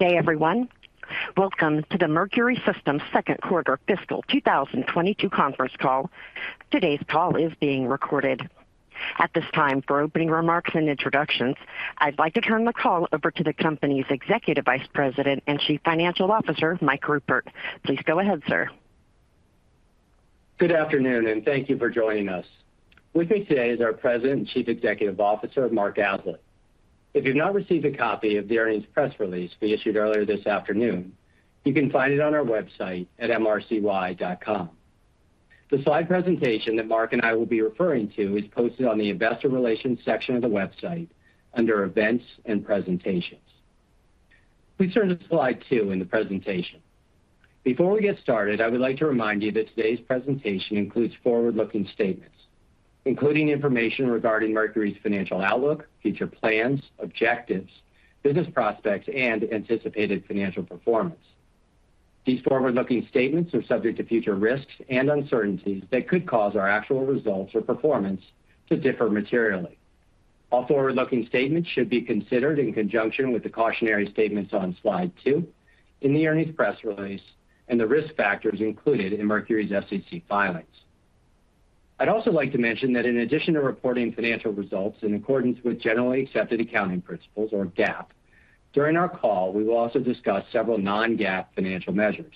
Good day, everyone. Welcome to the Mercury Systems Second Quarter Fiscal 2022 Conference Call. Today's call is being recorded. At this time, for opening remarks and introductions, I'd like to turn the call over to the company's Executive Vice President and Chief Financial Officer, Mike Ruppert. Please go ahead, sir. Good afternoon, and thank you for joining us. With me today is our President and Chief Executive Officer, Mark Aslett. If you've not received a copy of the earnings press release we issued earlier this afternoon, you can find it on our website at mrcy.com. The slide presentation that Mark and I will be referring to is posted on the investor relations section of the website under Events and Presentations. Please turn to slide two in the presentation. Before we get started, I would like to remind you that today's presentation includes forward-looking statements, including information regarding Mercury's financial outlook, future plans, objectives, business prospects, and anticipated financial performance. These forward-looking statements are subject to future risks and uncertainties that could cause our actual results or performance to differ materially. All forward-looking statements should be considered in conjunction with the cautionary statements on slide two in the earnings press release and the risk factors included in Mercury's SEC filings. I'd also like to mention that in addition to reporting financial results in accordance with generally accepted accounting principles or GAAP, during our call, we will also discuss several non-GAAP financial measures,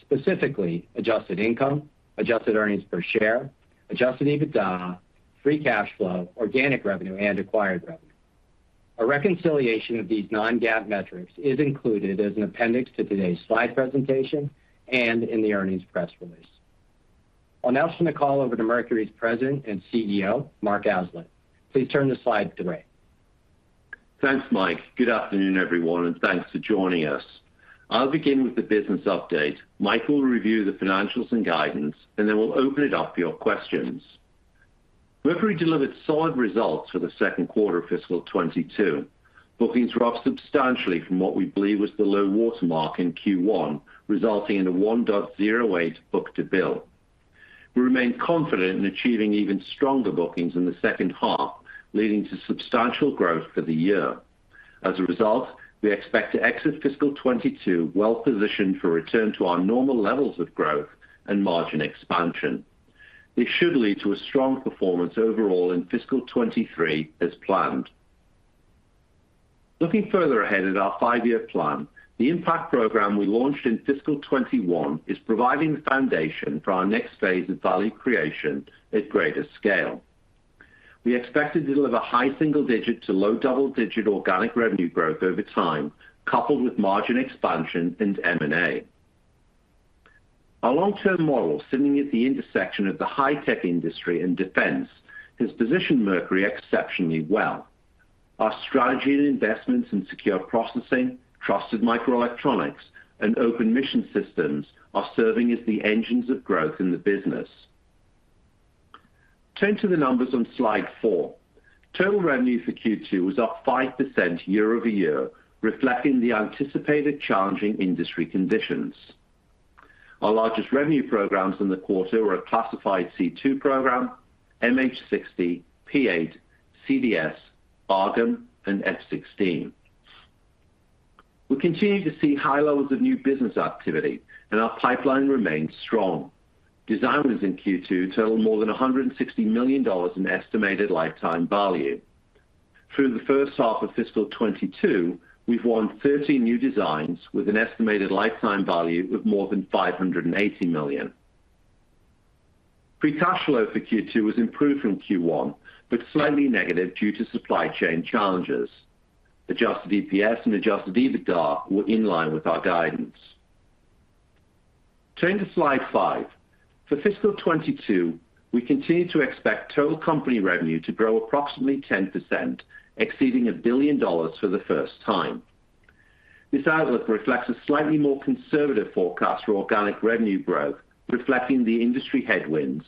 specifically adjusted income, adjusted earnings per share, adjusted EBITDA, free cash flow, organic revenue, and acquired revenue. A reconciliation of these non-GAAP metrics is included as an appendix to today's slide presentation and in the earnings press release. I'll now turn the call over to Mercury's President and CEO, Mark Aslett. Please turn to slide three. Thanks, Mike. Good afternoon, everyone, and thanks for joining us. I'll begin with the business update. Mike will review the financials and guidance, and then we'll open it up for your questions. Mercury delivered solid results for the second quarter of fiscal 2022. Bookings were up substantially from what we believe was the low water mark in Q1, resulting in a 1.08 book-to-bill. We remain confident in achieving even stronger bookings in the second half, leading to substantial growth for the year. As a result, we expect to exit fiscal 2022 well-positioned for return to our normal levels of growth and margin expansion. This should lead to a strong performance overall in fiscal 2023 as planned. Looking further ahead at our five-year plan, the 1MPACT program we launched in fiscal 2021 is providing the foundation for our next phase of value creation at greater scale. We expect to deliver high single-digit to low double-digit organic revenue growth over time, coupled with margin expansion and M&A. Our long-term model, sitting at the intersection of the high-tech industry and defense, has positioned Mercury exceptionally well. Our strategy and investments in secure processing, trusted microelectronics, and open mission systems are serving as the engines of growth in the business. Turning to the numbers on slide four. Total revenue for Q2 was up 5% year-over-year, reflecting the anticipated challenging industry conditions. Our largest revenue programs in the quarter were a classified C2 program, MH-60, P-8, CBS, ARGON, and F-16. We continue to see high levels of new business activity, and our pipeline remains strong. Designs in Q2 totaled more than $160 million in estimated lifetime value. Through the first half of fiscal 2022, we've won 30 new designs with an estimated lifetime value of more than $580 million. Free cash flow for Q2 was improved from Q1, but slightly negative due to supply chain challenges. Adjusted EPS and adjusted EBITDA were in line with our guidance. Turning to slide five. For fiscal 2022, we continue to expect total company revenue to grow approximately 10%, exceeding $1 billion for the first time. This outlook reflects a slightly more conservative forecast for organic revenue growth, reflecting the industry headwinds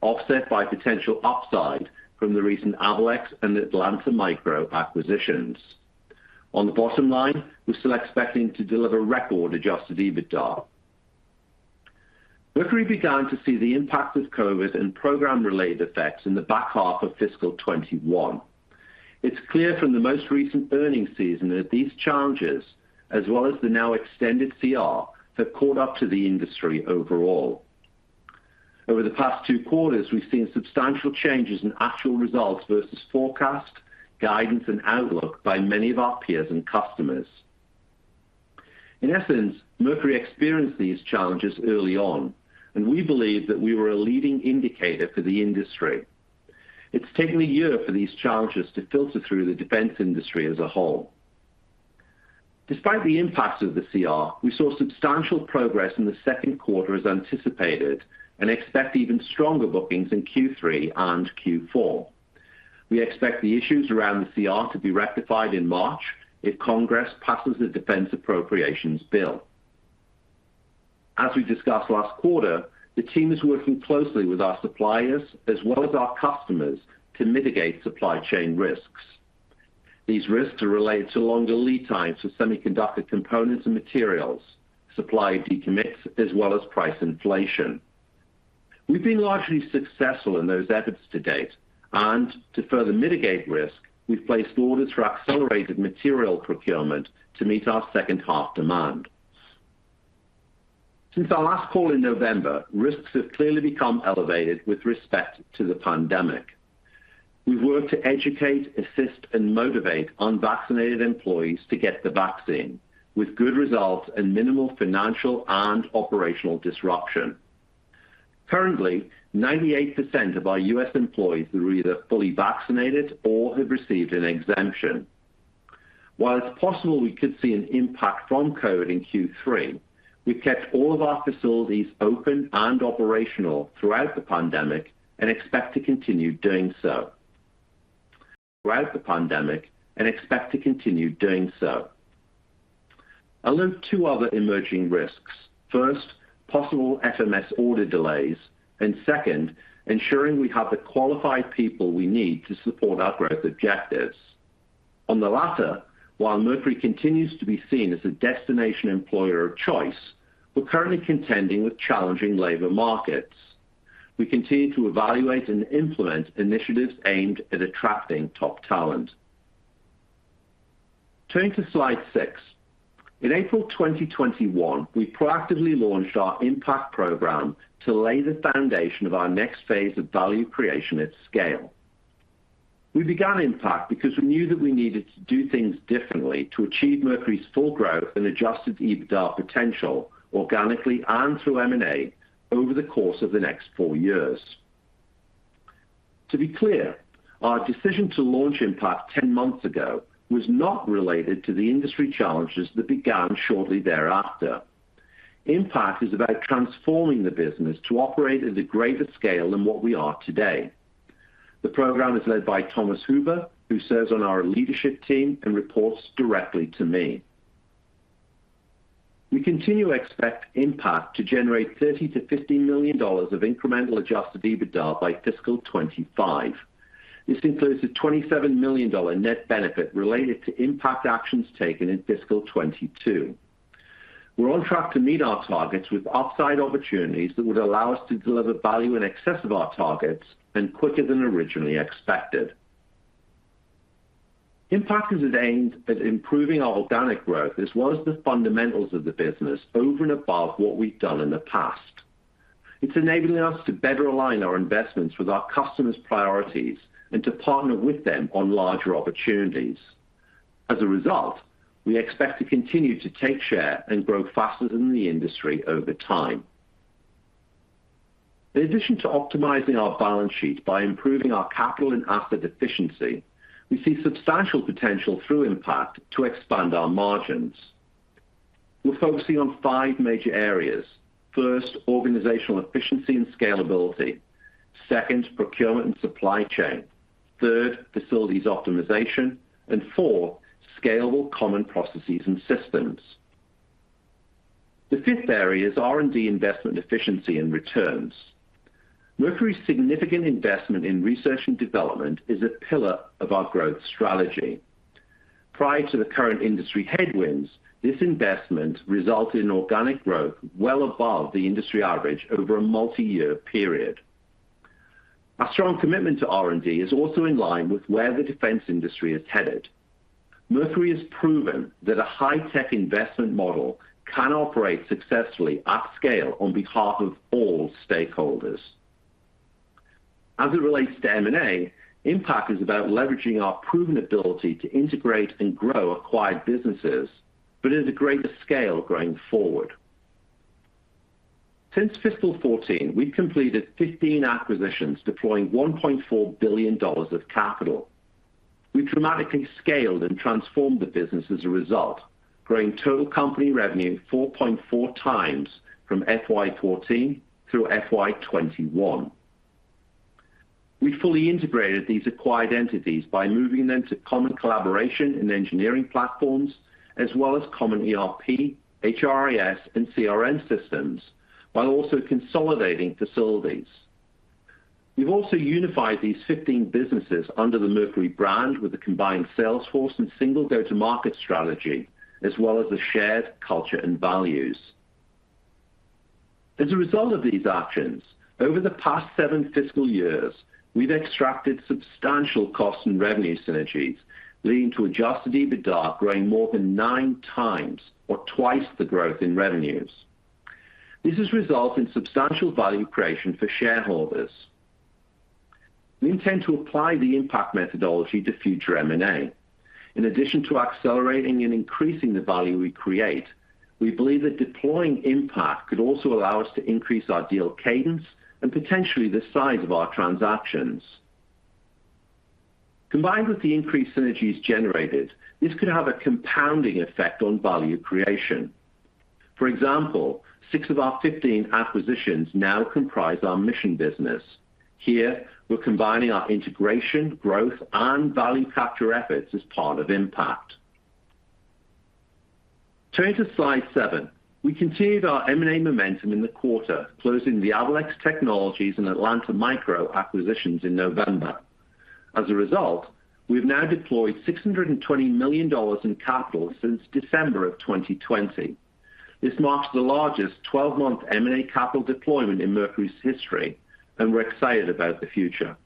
offset by potential upside from the recent Avalex and Atlanta Micro acquisitions. On the bottom line, we're still expecting to deliver record adjusted EBITDA. Mercury began to see the impact of COVID and program-related effects in the back half of fiscal 2021. It's clear from the most recent earnings season that these challenges, as well as the now extended CR, have caught up to the industry overall. Over the past two quarters, we've seen substantial changes in actual results versus forecast, guidance, and outlook by many of our peers and customers. In essence, Mercury experienced these challenges early on, and we believe that we were a leading indicator for the industry. It's taken a year for these challenges to filter through the defense industry as a whole. Despite the impact of the CR, we saw substantial progress in the second quarter as anticipated and expect even stronger bookings in Q3 and Q4. We expect the issues around the CR to be rectified in March if Congress passes the defense appropriations bill. As we discussed last quarter, the team is working closely with our suppliers as well as our customers to mitigate supply chain risks. These risks are related to longer lead times for semiconductor components and materials, supply decommits, as well as price inflation. We've been largely successful in those efforts to date, and to further mitigate risk, we've placed orders for accelerated material procurement to meet our second half demand. Since our last call in November, risks have clearly become elevated with respect to the pandemic. We've worked to educate, assist and motivate unvaccinated employees to get the vaccine with good results and minimal financial and operational disruption. Currently, 98% of our U.S. employees are either fully vaccinated or have received an exemption. While it's possible we could see an impact from COVID in Q3, we've kept all of our facilities open and operational throughout the pandemic and expect to continue doing so. I'll note two other emerging risks. First, possible FMS order delays, and second, ensuring we have the qualified people we need to support our growth objectives. On the latter, while Mercury continues to be seen as a destination employer of choice, we're currently contending with challenging labor markets. We continue to evaluate and implement initiatives aimed at attracting top talent. Turning to slide six. In April 2021, we proactively launched our 1MPACT program to lay the foundation of our next phase of value creation at scale. We began 1MPACT because we knew that we needed to do things differently to achieve Mercury's full growth and adjusted EBITDA potential organically and through M&A over the course of the next four years. To be clear, our decision to launch 1MPACT 10 months ago was not related to the industry challenges that began shortly thereafter. 1MPACT is about transforming the business to operate at a greater scale than what we are today. The program is led by Thomas Huber, who serves on our leadership team and reports directly to me. We continue to expect 1MPACT to generate $30 million-$50 million of incremental adjusted EBITDA by fiscal 2025. This includes a $27 million dollar net benefit related to 1MPACT actions taken in fiscal 2022. We're on track to meet our targets with upside opportunities that would allow us to deliver value in excess of our targets and quicker than originally expected. 1MPACT is aimed at improving our organic growth as well as the fundamentals of the business over and above what we've done in the past. It's enabling us to better align our investments with our customers' priorities and to partner with them on larger opportunities. As a result, we expect to continue to take share and grow faster than the industry over time. In addition to optimizing our balance sheet by improving our capital and asset efficiency, we see substantial potential through 1MPACT to expand our margins. We're focusing on five major areas. First, organizational efficiency and scalability. Second, procurement and supply chain. Third, facilities optimization. Four, scalable common processes and systems. The fifth area is R&D investment efficiency and returns. Mercury's significant investment in research and development is a pillar of our growth strategy. Prior to the current industry headwinds, this investment resulted in organic growth well above the industry average over a multi-year period. Our strong commitment to R&D is also in line with where the defense industry is headed. Mercury has proven that a high-tech investment model can operate successfully at scale on behalf of all stakeholders. As it relates to M&A, 1MPACT is about leveraging our proven ability to integrate and grow acquired businesses, but at a greater scale going forward. Since fiscal 2014, we've completed 15 acquisitions deploying $1.4 billion of capital. We dramatically scaled and transformed the business as a result, growing total company revenue 4.4 times from FY 2014 through FY 2021. We fully integrated these acquired entities by moving them to common collaboration in engineering platforms as well as common ERP, HRIS, and CRM systems, while also consolidating facilities. We've also unified these 15 businesses under the Mercury brand with a combined sales force and single go-to-market strategy as well as a shared culture and values. As a result of these actions, over the past seven fiscal years, we've extracted substantial cost and revenue synergies, leading to adjusted EBITDA growing more than nine times or twice the growth in revenues. This has resulted in substantial value creation for shareholders. We intend to apply the 1MPACT methodology to future M&A. In addition to accelerating and increasing the value we create, we believe that deploying 1MPACT could also allow us to increase our deal cadence and potentially the size of our transactions. Combined with the increased synergies generated, this could have a compounding effect on value creation. For example, six of our 15 acquisitions now comprise our mission business. Here, we're combining our integration, growth, and value capture efforts as part of 1MPACT. Turning to slide seven. We continued our M&A momentum in the quarter, closing the Avalex Technologies and Atlanta Micro acquisitions in November. As a result, we've now deployed $620 million in capital since December 2020. This marks the largest 12-month M&A capital deployment in Mercury's history, and we're excited about the future.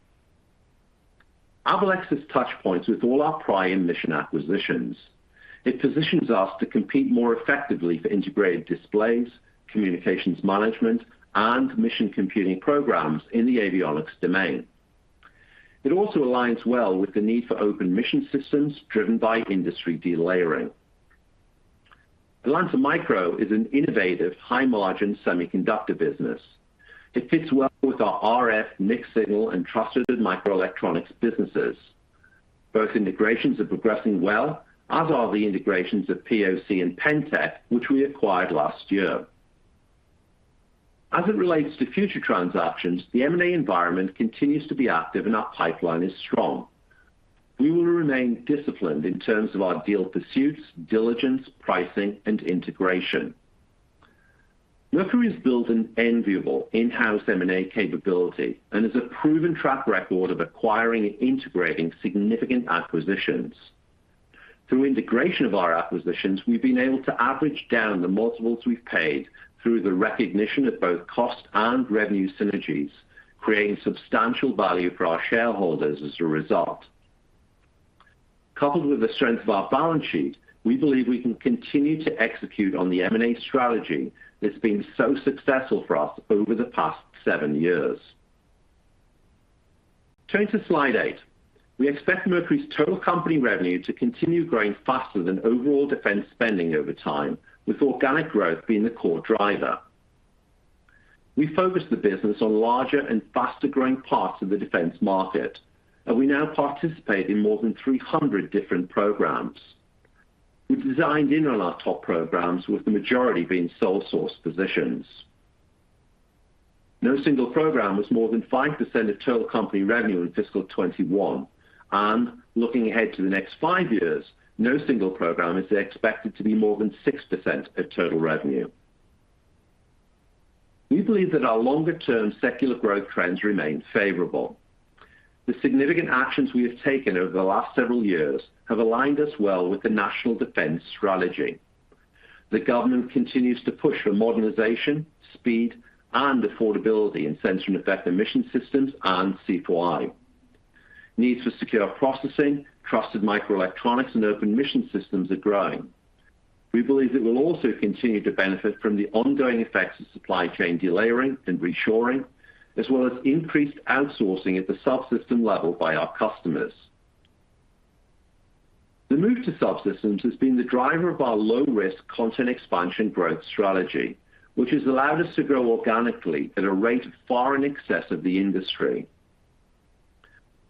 Avalex has touch points with all our prior mission acquisitions. It positions us to compete more effectively for integrated displays, communications management, and mission computing programs in the avionics domain. It also aligns well with the need for open mission systems driven by industry delayering. Atlanta Micro is an innovative, high-margin semiconductor business. It fits well with our RF, mixed signal, and trusted microelectronics businesses. Both integrations are progressing well, as are the integrations of POC and Pentek, which we acquired last year. As it relates to future transactions, the M&A environment continues to be active and our pipeline is strong. We will remain disciplined in terms of our deal pursuits, diligence, pricing, and integration. Mercury has built an enviable in-house M&A capability and has a proven track record of acquiring and integrating significant acquisitions. Through integration of our acquisitions, we've been able to average down the multiples we've paid through the recognition of both cost and revenue synergies, creating substantial value for our shareholders as a result. Coupled with the strength of our balance sheet, we believe we can continue to execute on the M&A strategy that's been so successful for us over the past seven years. Turning to slide eight. We expect Mercury's total company revenue to continue growing faster than overall defense spending over time, with organic growth being the core driver. We focus the business on larger and faster-growing parts of the defense market, and we now participate in more than 300 different programs. We've designed in on our top programs, with the majority being sole source positions. No single program was more than 5% of total company revenue in fiscal 2021, and looking ahead to the next five years, no single program is expected to be more than 6% of total revenue. We believe that our longer-term secular growth trends remain favorable. The significant actions we have taken over the last several years have aligned us well with the National Defense Strategy. The government continues to push for modernization, speed, and affordability in Sensor and Effector Mission Systems and C4I. Needs for secure processing, trusted microelectronics, and open mission systems are growing. We believe it will also continue to benefit from the ongoing effects of supply chain delayering and reshoring, as well as increased outsourcing at the subsystem level by our customers. The move to subsystems has been the driver of our low-risk content expansion growth strategy, which has allowed us to grow organically at a rate far in excess of the industry.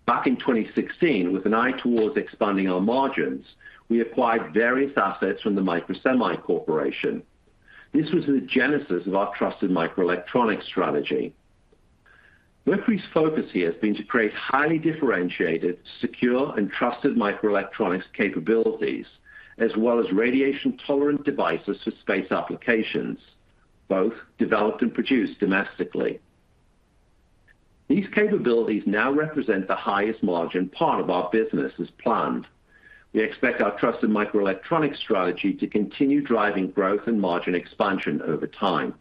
Back in 2016, with an eye towards expanding our margins, we acquired various assets from the Microsemi Corporation. This was the genesis of our trusted microelectronics strategy. Mercury's focus here has been to create highly differentiated, secure, and trusted microelectronics capabilities, as well as radiation-tolerant devices for space applications, both developed and produced domestically. These capabilities now represent the highest margin part of our business as planned. We expect our trusted microelectronics strategy to continue driving growth and margin expansion over time.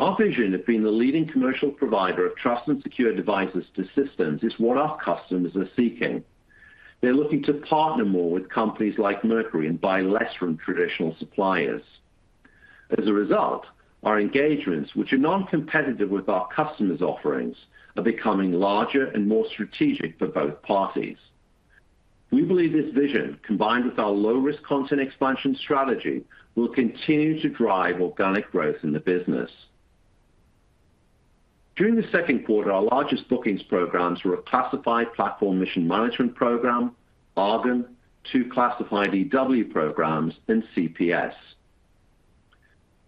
Our vision of being the leading commercial provider of trusted and secure devices to systems is what our customers are seeking. They're looking to partner more with companies like Mercury and buy less from traditional suppliers. As a result, our engagements, which are non-competitive with our customers' offerings, are becoming larger and more strategic for both parties. We believe this vision, combined with our low-risk content expansion strategy, will continue to drive organic growth in the business. During the second quarter, our largest bookings programs were a classified platform mission management program, ARGON, two classified EW programs, and CPS.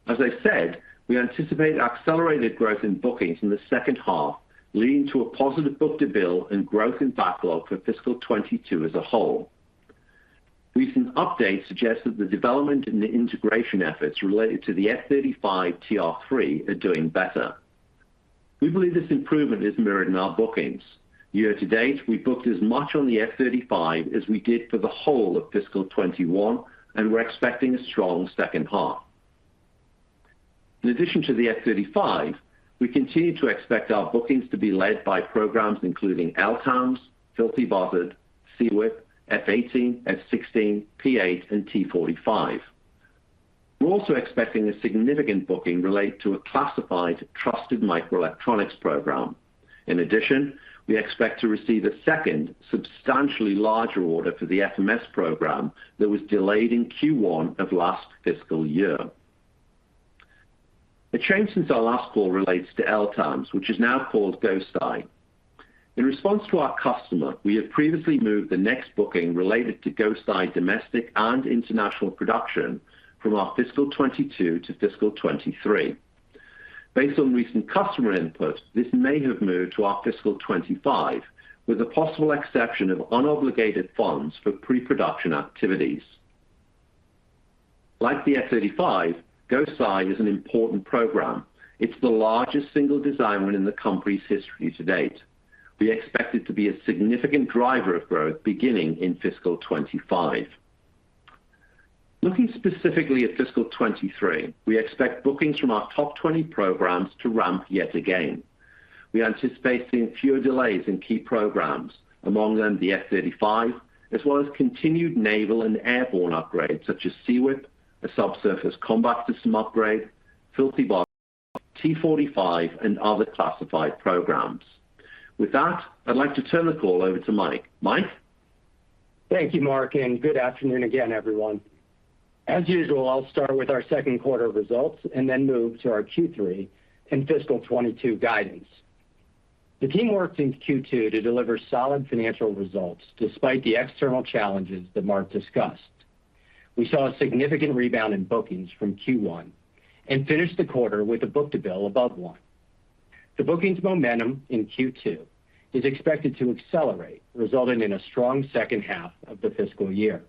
As I said, we anticipate accelerated growth in bookings in the second half, leading to a positive book-to-bill and growth in backlog for fiscal 2022 as a whole. Recent updates suggest that the development and the integration efforts related to the F-35 TR-3 are doing better. We believe this improvement is mirrored in our bookings. Year to date, we booked as much on the F-35 as we did for the whole of fiscal 2021, and we're expecting a strong second half. In addition to the F-35, we continue to expect our bookings to be led by programs including LTAMDS, Filthy Buzzard, SEWIP, F-18, F-16, P-8, and T-45. We're also expecting a significant booking related to a classified trusted microelectronics program. In addition, we expect to receive a second, substantially larger order for the FMS program that was delayed in Q1 of last fiscal year. A change since our last call relates to LTAMDS, which is now called GhostEye. In response to our customer, we have previously moved the next booking related to GhostEye domestic and international production from our fiscal 2022 to fiscal 2023. Based on recent customer input, this may have moved to our fiscal 2025, with the possible exception of unobligated funds for pre-production activities. Like the F-35, GhostEye is an important program. It's the largest single design win in the company's history to date. We expect it to be a significant driver of growth beginning in fiscal 2025. Looking specifically at fiscal 2023, we expect bookings from our top 20 programs to ramp yet again. We anticipate seeing fewer delays in key programs, among them the F-35, as well as continued naval and airborne upgrades such as SEWIP, a subsurface combat system upgrade, Filthy Buzzard, T-45, and other classified programs. With that, I'd like to turn the call over to Mike. Mike? Thank you, Mark, and good afternoon again, everyone. As usual, I'll start with our second quarter results and then move to our Q3 and fiscal 2022 guidance. The team worked in Q2 to deliver solid financial results despite the external challenges that Mark discussed. We saw a significant rebound in bookings from Q1 and finished the quarter with a book-to-bill above one. The bookings momentum in Q2 is expected to accelerate, resulting in a strong second half of the fiscal year.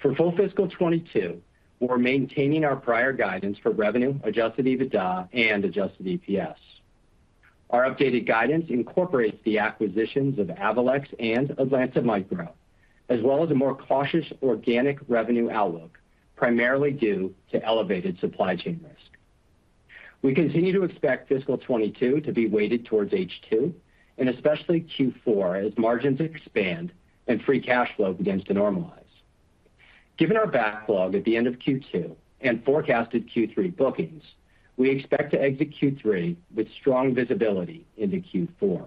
For full fiscal 2022, we're maintaining our prior guidance for revenue, adjusted EBITDA and adjusted EPS. Our updated guidance incorporates the acquisitions of Avalex and Atlanta Micro, as well as a more cautious organic revenue outlook, primarily due to elevated supply chain risk. We continue to expect fiscal 2022 to be weighted towards H2 and especially Q4 as margins expand and free cash flow begins to normalize. Given our backlog at the end of Q2 and forecasted Q3 bookings, we expect to exit Q3 with strong visibility into Q4.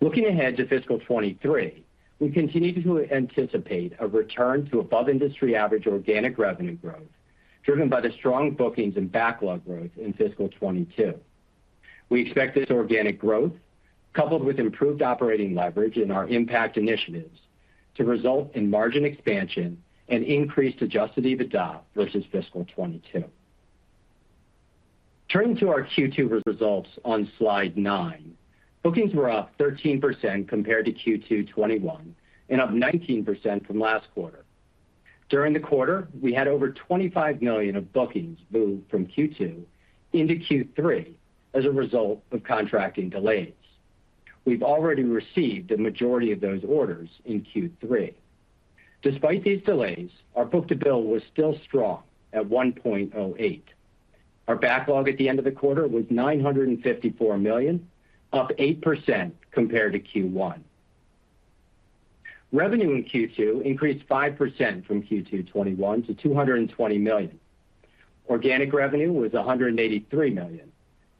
Looking ahead to fiscal 2023, we continue to anticipate a return to above industry average organic revenue growth driven by the strong bookings and backlog growth in fiscal 2022. We expect this organic growth coupled with improved operating leverage in our 1MPACT initiatives to result in margin expansion and increased adjusted EBITDA versus fiscal 2022. Turning to our Q2 results on slide nine. Bookings were up 13% compared to Q2 2021 and up 19% from last quarter. During the quarter, we had over $25 million of bookings moved from Q2 into Q3 as a result of contracting delays. We've already received the majority of those orders in Q3. Despite these delays, our book-to-bill was still strong at 1.08. Our backlog at the end of the quarter was $954 million, up 8% compared to Q1. Revenue in Q2 increased 5% from Q2 2021 to $220 million. Organic revenue was $183 million,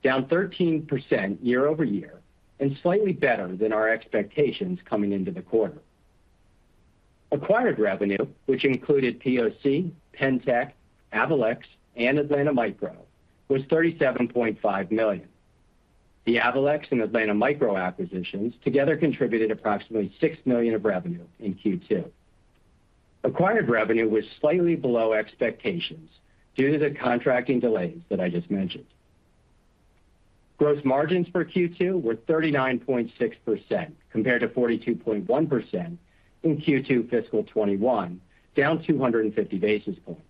down 13% year-over-year and slightly better than our expectations coming into the quarter. Acquired revenue, which included POC, Pentek, Avalex and Atlanta Micro, was $37.5 million. The Avalex and Atlanta Micro acquisitions together contributed approximately $6 million of revenue in Q2. Acquired revenue was slightly below expectations due to the contracting delays that I just mentioned. Gross margins for Q2 were 39.6% compared to 42.1% in Q2 fiscal 2021, down 250 basis points.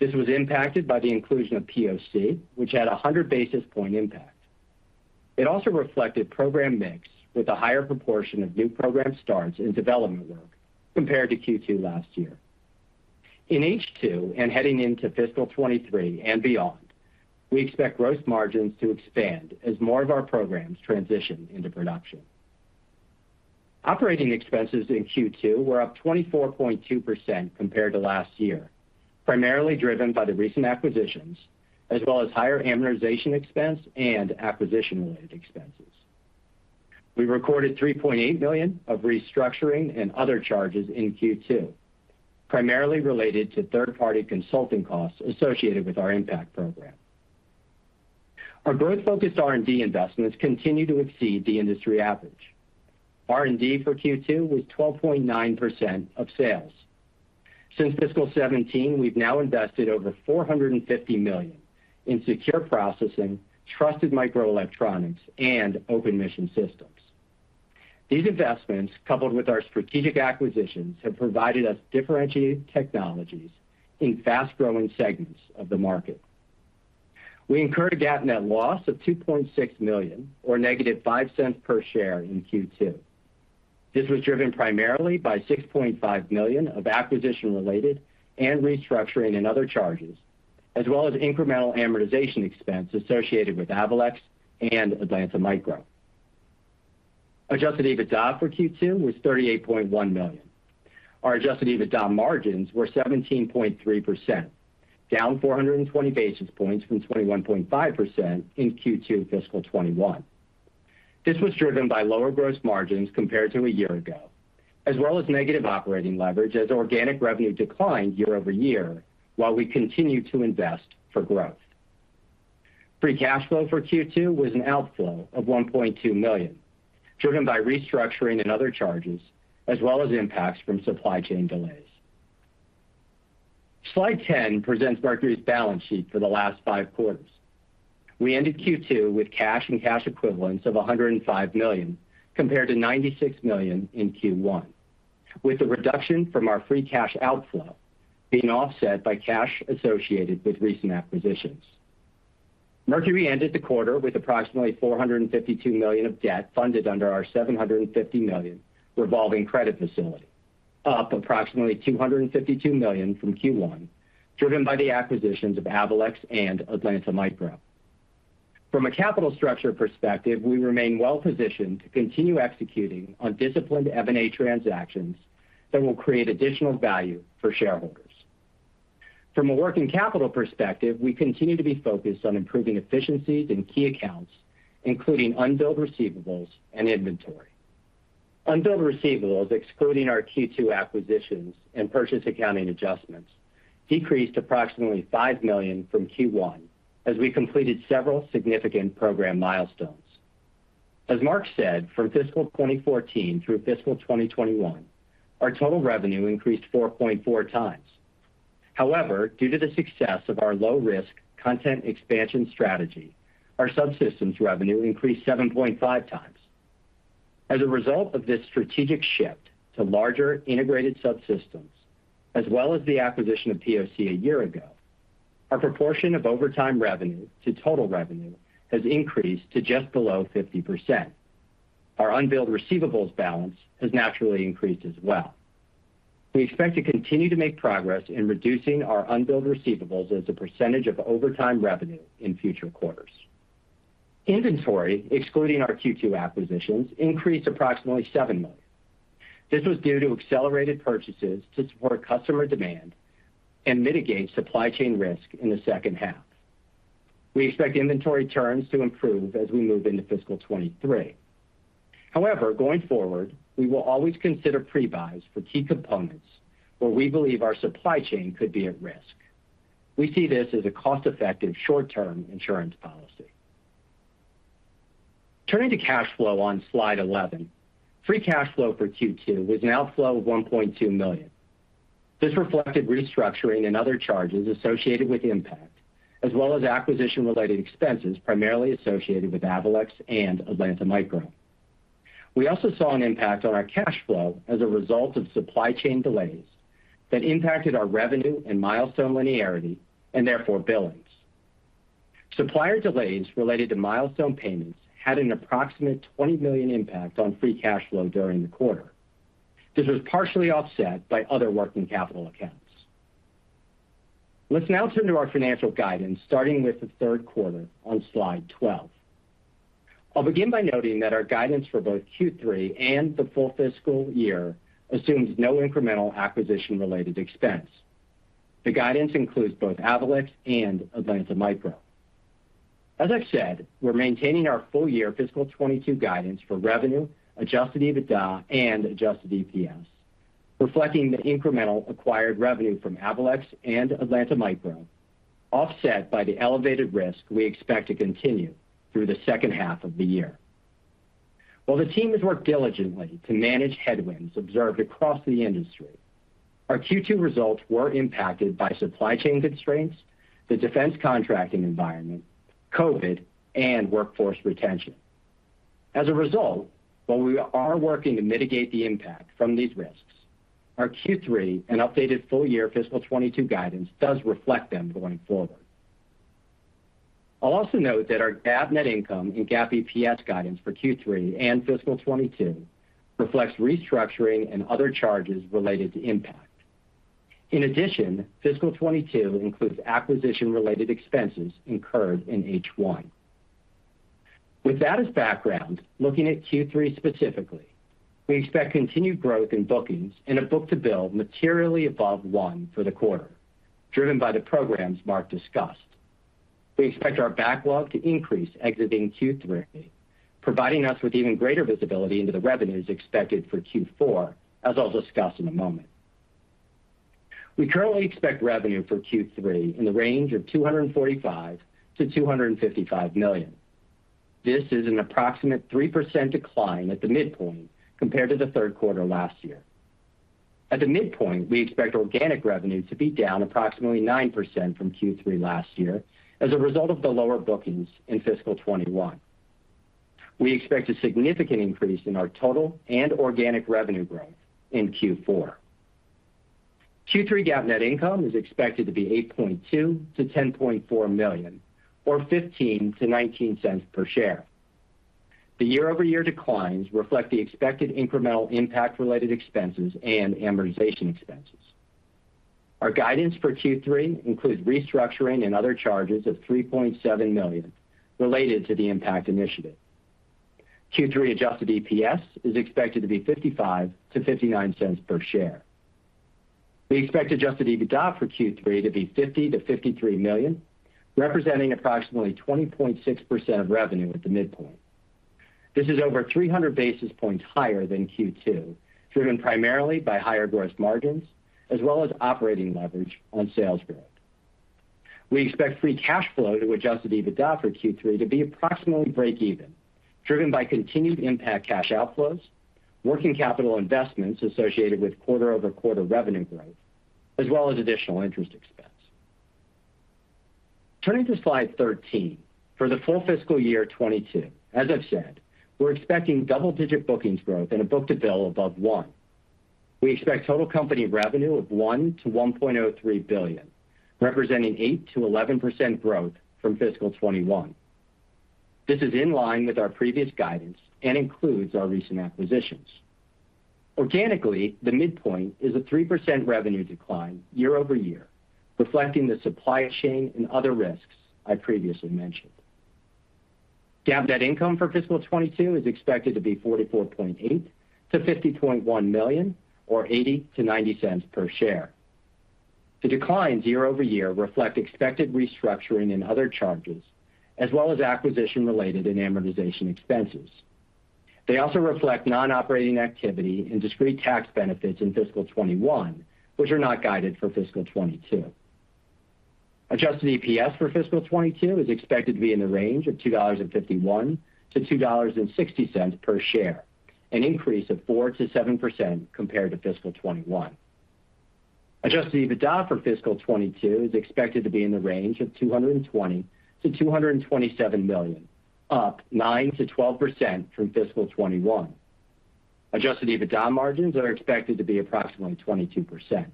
This was impacted by the inclusion of POC, which had a 100 basis point impact. It also reflected program mix with a higher proportion of new program starts and development work compared to Q2 last year. In H2 and heading into fiscal 2023 and beyond, we expect gross margins to expand as more of our programs transition into production. Operating expenses in Q2 were up 24.2% compared to last year, primarily driven by the recent acquisitions as well as higher amortization expense and acquisition related expenses. We recorded $3.8 million of restructuring and other charges in Q2, primarily related to third-party consulting costs associated with our 1MPACT program. Our growth-focused R&D investments continue to exceed the industry average. R&D for Q2 was 12.9% of sales. Since fiscal 2017, we've now invested over $450 million in Secure Processing, Trusted Microelectronics, and Open Mission Systems. These investments, coupled with our strategic acquisitions, have provided us differentiated technologies in fast-growing segments of the market. We incurred a GAAP net loss of $2.6 million, or -$0.05 per share in Q2. This was driven primarily by $6.5 million of acquisition-related and restructuring and other charges, as well as incremental amortization expense associated with Avalex and Atlanta Micro. Adjusted EBITDA for Q2 was $38.1 million. Our adjusted EBITDA margins were 17.3%, down 420 basis points from 21.5% in Q2 fiscal 2021. This was driven by lower gross margins compared to a year ago, as well as negative operating leverage as organic revenue declined year over year while we continue to invest for growth. Free cash flow for Q2 was an outflow of $1.2 million, driven by restructuring and other charges, as well as impacts from supply chain delays. Slide 10 presents Mercury's balance sheet for the last five quarters. We ended Q2 with cash and cash equivalents of $105 million, compared to $96 million in Q1, with the reduction from our free cash outflow being offset by cash associated with recent acquisitions. Mercury ended the quarter with approximately $452 million of debt funded under our $750 million revolving credit facility, up approximately $252 million from Q1, driven by the acquisitions of Avalex and Atlanta Micro. From a capital structure perspective, we remain well-positioned to continue executing on disciplined M&A transactions that will create additional value for shareholders. From a working capital perspective, we continue to be focused on improving efficiencies in key accounts, including unbilled receivables and inventory. Unbilled receivables, excluding our Q2 acquisitions and purchase accounting adjustments, decreased approximately $5 million from Q1 as we completed several significant program milestones. As Mark said, from fiscal 2014 through fiscal 2021, our total revenue increased 4.4 times. However, due to the success of our low risk content expansion strategy, our subsystems revenue increased 7.5 times. As a result of this strategic shift to larger integrated subsystems, as well as the acquisition of POC a year ago, our proportion of overtime revenue to total revenue has increased to just below 50%. Our unbilled receivables balance has naturally increased as well. We expect to continue to make progress in reducing our unbilled receivables as a percentage of overtime revenue in future quarters. Inventory, excluding our Q2 acquisitions, increased approximately $7 million. This was due to accelerated purchases to support customer demand and mitigate supply chain risk in the second half. We expect inventory terms to improve as we move into fiscal 2023. However, going forward, we will always consider pre-buys for key components where we believe our supply chain could be at risk. We see this as a cost-effective short-term insurance policy. Turning to cash flow on slide 11, free cash flow for Q2 was an outflow of $1.2 million. This reflected restructuring and other charges associated with 1MPACT, as well as acquisition-related expenses primarily associated with Avalex and Atlanta Micro. We also saw an impact on our cash flow as a result of supply chain delays that impacted our revenue and milestone linearity and therefore billings. Supplier delays related to milestone payments had an approximate $20 million impact on free cash flow during the quarter. This was partially offset by other working capital accounts. Let's now turn to our financial guidance, starting with the third quarter on slide 12. I'll begin by noting that our guidance for both Q3 and the full fiscal year assumes no incremental acquisition-related expense. The guidance includes both Avalex and Atlanta Micro. As I've said, we're maintaining our full year fiscal 2022 guidance for revenue, adjusted EBITDA and adjusted EPS, reflecting the incremental acquired revenue from Avalex and Atlanta Micro, offset by the elevated risk we expect to continue through the second half of the year. While the team has worked diligently to manage headwinds observed across the industry, our Q2 results were impacted by supply chain constraints, the defense contracting environment, COVID and workforce retention. As a result, while we are working to mitigate the impact from these risks, our Q3 and updated full year fiscal 2022 guidance does reflect them going forward. I'll also note that our GAAP net income and GAAP EPS guidance for Q3 and fiscal 2022 reflects restructuring and other charges related to 1MPACT. In addition, fiscal 2022 includes acquisition-related expenses incurred in H1. With that as background, looking at Q3 specifically, we expect continued growth in bookings and a book-to-bill materially above 1 for the quarter, driven by the programs Mark discussed. We expect our backlog to increase exiting Q3, providing us with even greater visibility into the revenues expected for Q4, as I'll discuss in a moment. We currently expect revenue for Q3 in the range of $245 million-$255 million. This is an approximate 3% decline at the midpoint compared to the third quarter last year. At the midpoint, we expect organic revenue to be down approximately 9% from Q3 last year as a result of the lower bookings in fiscal 2021. We expect a significant increase in our total and organic revenue growth in Q4. Q3 GAAP net income is expected to be $8.2 million-$10.4 million or $0.15-$0.19 per share. The year-over-year declines reflect the expected incremental 1MPACT-related expenses and amortization expenses. Our guidance for Q3 includes restructuring and other charges of $3.7 million related to the 1MPACT initiative. Q3 adjusted EPS is expected to be $0.55-$0.59 per share. We expect adjusted EBITDA for Q3 to be $50 million-$53 million, representing approximately 20.6% of revenue at the midpoint. This is over 300 basis points higher than Q2, driven primarily by higher gross margins as well as operating leverage on sales growth. We expect free cash flow to adjusted EBITDA for Q3 to be approximately breakeven, driven by continued impact cash outflows, working capital investments associated with quarter-over-quarter revenue growth, as well as additional interest expense. Turning to slide 13. For the full fiscal year 2022, as I've said, we're expecting double-digit bookings growth and a book-to-bill above 1. We expect total company revenue of $1 billion-$1.03 billion, representing 8%-11% growth from fiscal 2021. This is in line with our previous guidance and includes our recent acquisitions. Organically, the midpoint is a 3% revenue decline year-over-year, reflecting the supply chain and other risks I previously mentioned. GAAP net income for FY 2022 is expected to be $44.8 million-$50.1 million or $0.80-$0.90 per share. The declines year-over-year reflect expected restructuring and other charges, as well as acquisition-related and amortization expenses. They also reflect non-operating activity and discrete tax benefits in FY 2021, which are not guided for FY 2022. Adjusted EPS for FY 2022 is expected to be in the range of $2.51-$2.60 per share, an increase of 4%-7% compared to FY 2021. Adjusted EBITDA for FY 2022 is expected to be in the range of $220 million-$227 million, up 9%-12% from FY 2021. Adjusted EBITDA margins are expected to be approximately 22%.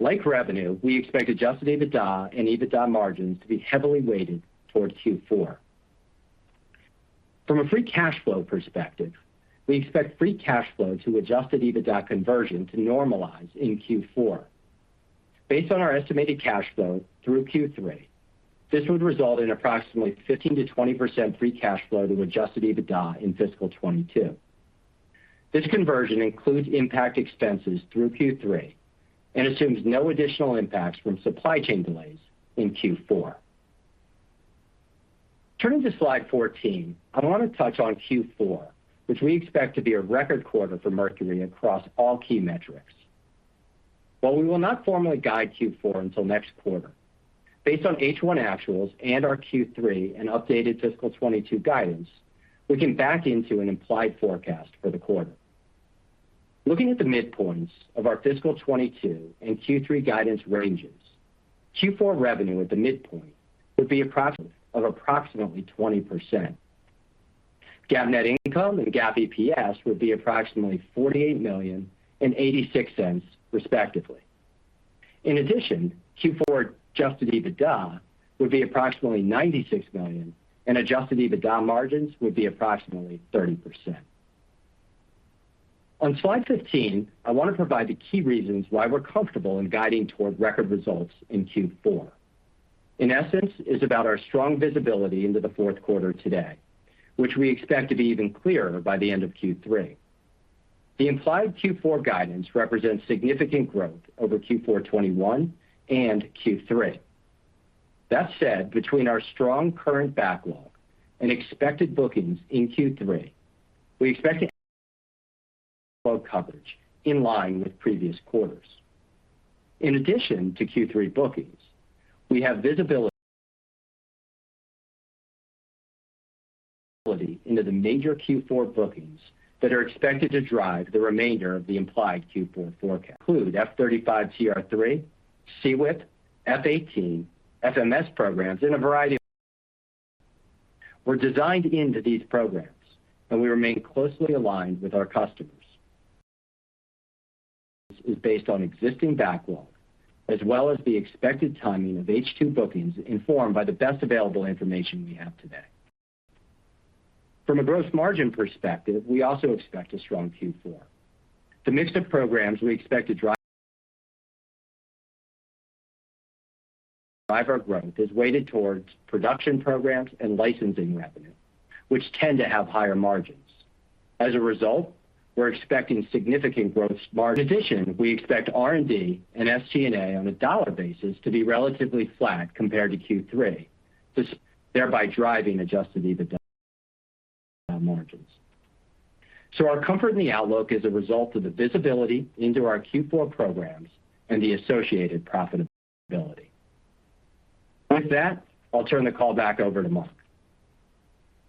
Like revenue, we expect adjusted EBITDA and EBITDA margins to be heavily weighted towards Q4. From a free cash flow perspective, we expect free cash flow to adjusted EBITDA conversion to normalize in Q4. Based on our estimated cash flow through Q3, this would result in approximately 15%-20% free cash flow to adjusted EBITDA in fiscal 2022. This conversion includes 1MPACT expenses through Q3 and assumes no additional impacts from supply chain delays in Q4. Turning to slide 14. I wanna touch on Q4, which we expect to be a record quarter for Mercury across all key metrics. While we will not formally guide Q4 until next quarter, based on H1 actuals and our Q3 and updated fiscal 2022 guidance, we can back into an implied forecast for the quarter. Looking at the midpoints of our fiscal 2022 and Q3 guidance ranges, Q4 revenue at the midpoint would be approximately 20%. GAAP net income and GAAP EPS would be approximately $48 million and $0.86, respectively. In addition, Q4 adjusted EBITDA would be approximately $96 million and adjusted EBITDA margins would be approximately 30%. On slide 15, I wanna provide the key reasons why we're comfortable in guiding toward record results in Q4. In essence, it's about our strong visibility into the fourth quarter today, which we expect to be even clearer by the end of Q3. The implied Q4 guidance represents significant growth over Q4 2021 and Q3. That said, between our strong current backlog and expected bookings in Q3, we expect full coverage in line with previous quarters. In addition to Q3 bookings, we have visibility into the major Q4 bookings that are expected to drive the remainder of the implied Q4 forecast, including F-35 TR-3, SEWIP, F-18, FMS programs, and a variety of. We're designed into these programs, and we remain closely aligned with our customers. It is based on existing backlog, as well as the expected timing of H2 bookings informed by the best available information we have today. From a gross margin perspective, we also expect a strong Q4. The mix of programs we expect to drive our growth is weighted towards production programs and licensing revenue, which tend to have higher margins. As a result, we're expecting significant gross margin. In addition, we expect R&D and SG&A on a dollar basis to be relatively flat compared to Q3, thereby driving adjusted EBITDA margins. Our comfort in the outlook is a result of the visibility into our Q4 programs and the associated profitability. With that, I'll turn the call back over to Mark.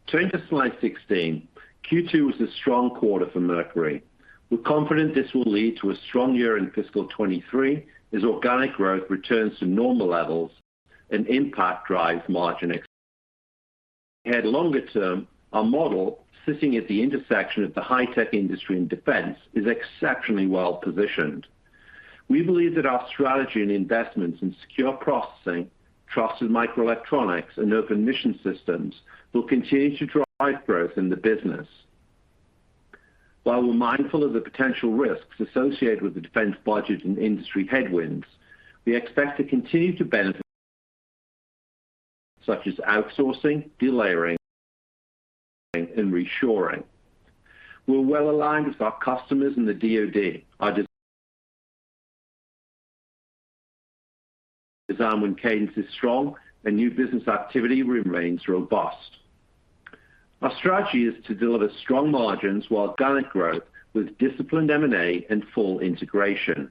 Turning to slide 16. Q2 was a strong quarter for Mercury. We're confident this will lead to a strong year in fiscal 2023 as organic growth returns to normal levels and 1MPACT drives margin. Longer term, our model, sitting at the intersection of the high-tech industry and defense, is exceptionally well positioned. We believe that our strategy and investments in Secure Processing, Trusted Microelectronics, and Open Mission Systems will continue to drive growth in the business. While we're mindful of the potential risks associated with the defense budget and industry headwinds, we expect to continue to benefit such as outsourcing, delayering, and reshoring. We're well aligned with our customers in the DoD. Our design win cadence is strong and new business activity remains robust. Our strategy is to deliver strong margins while organic growth with disciplined M&A and full integration.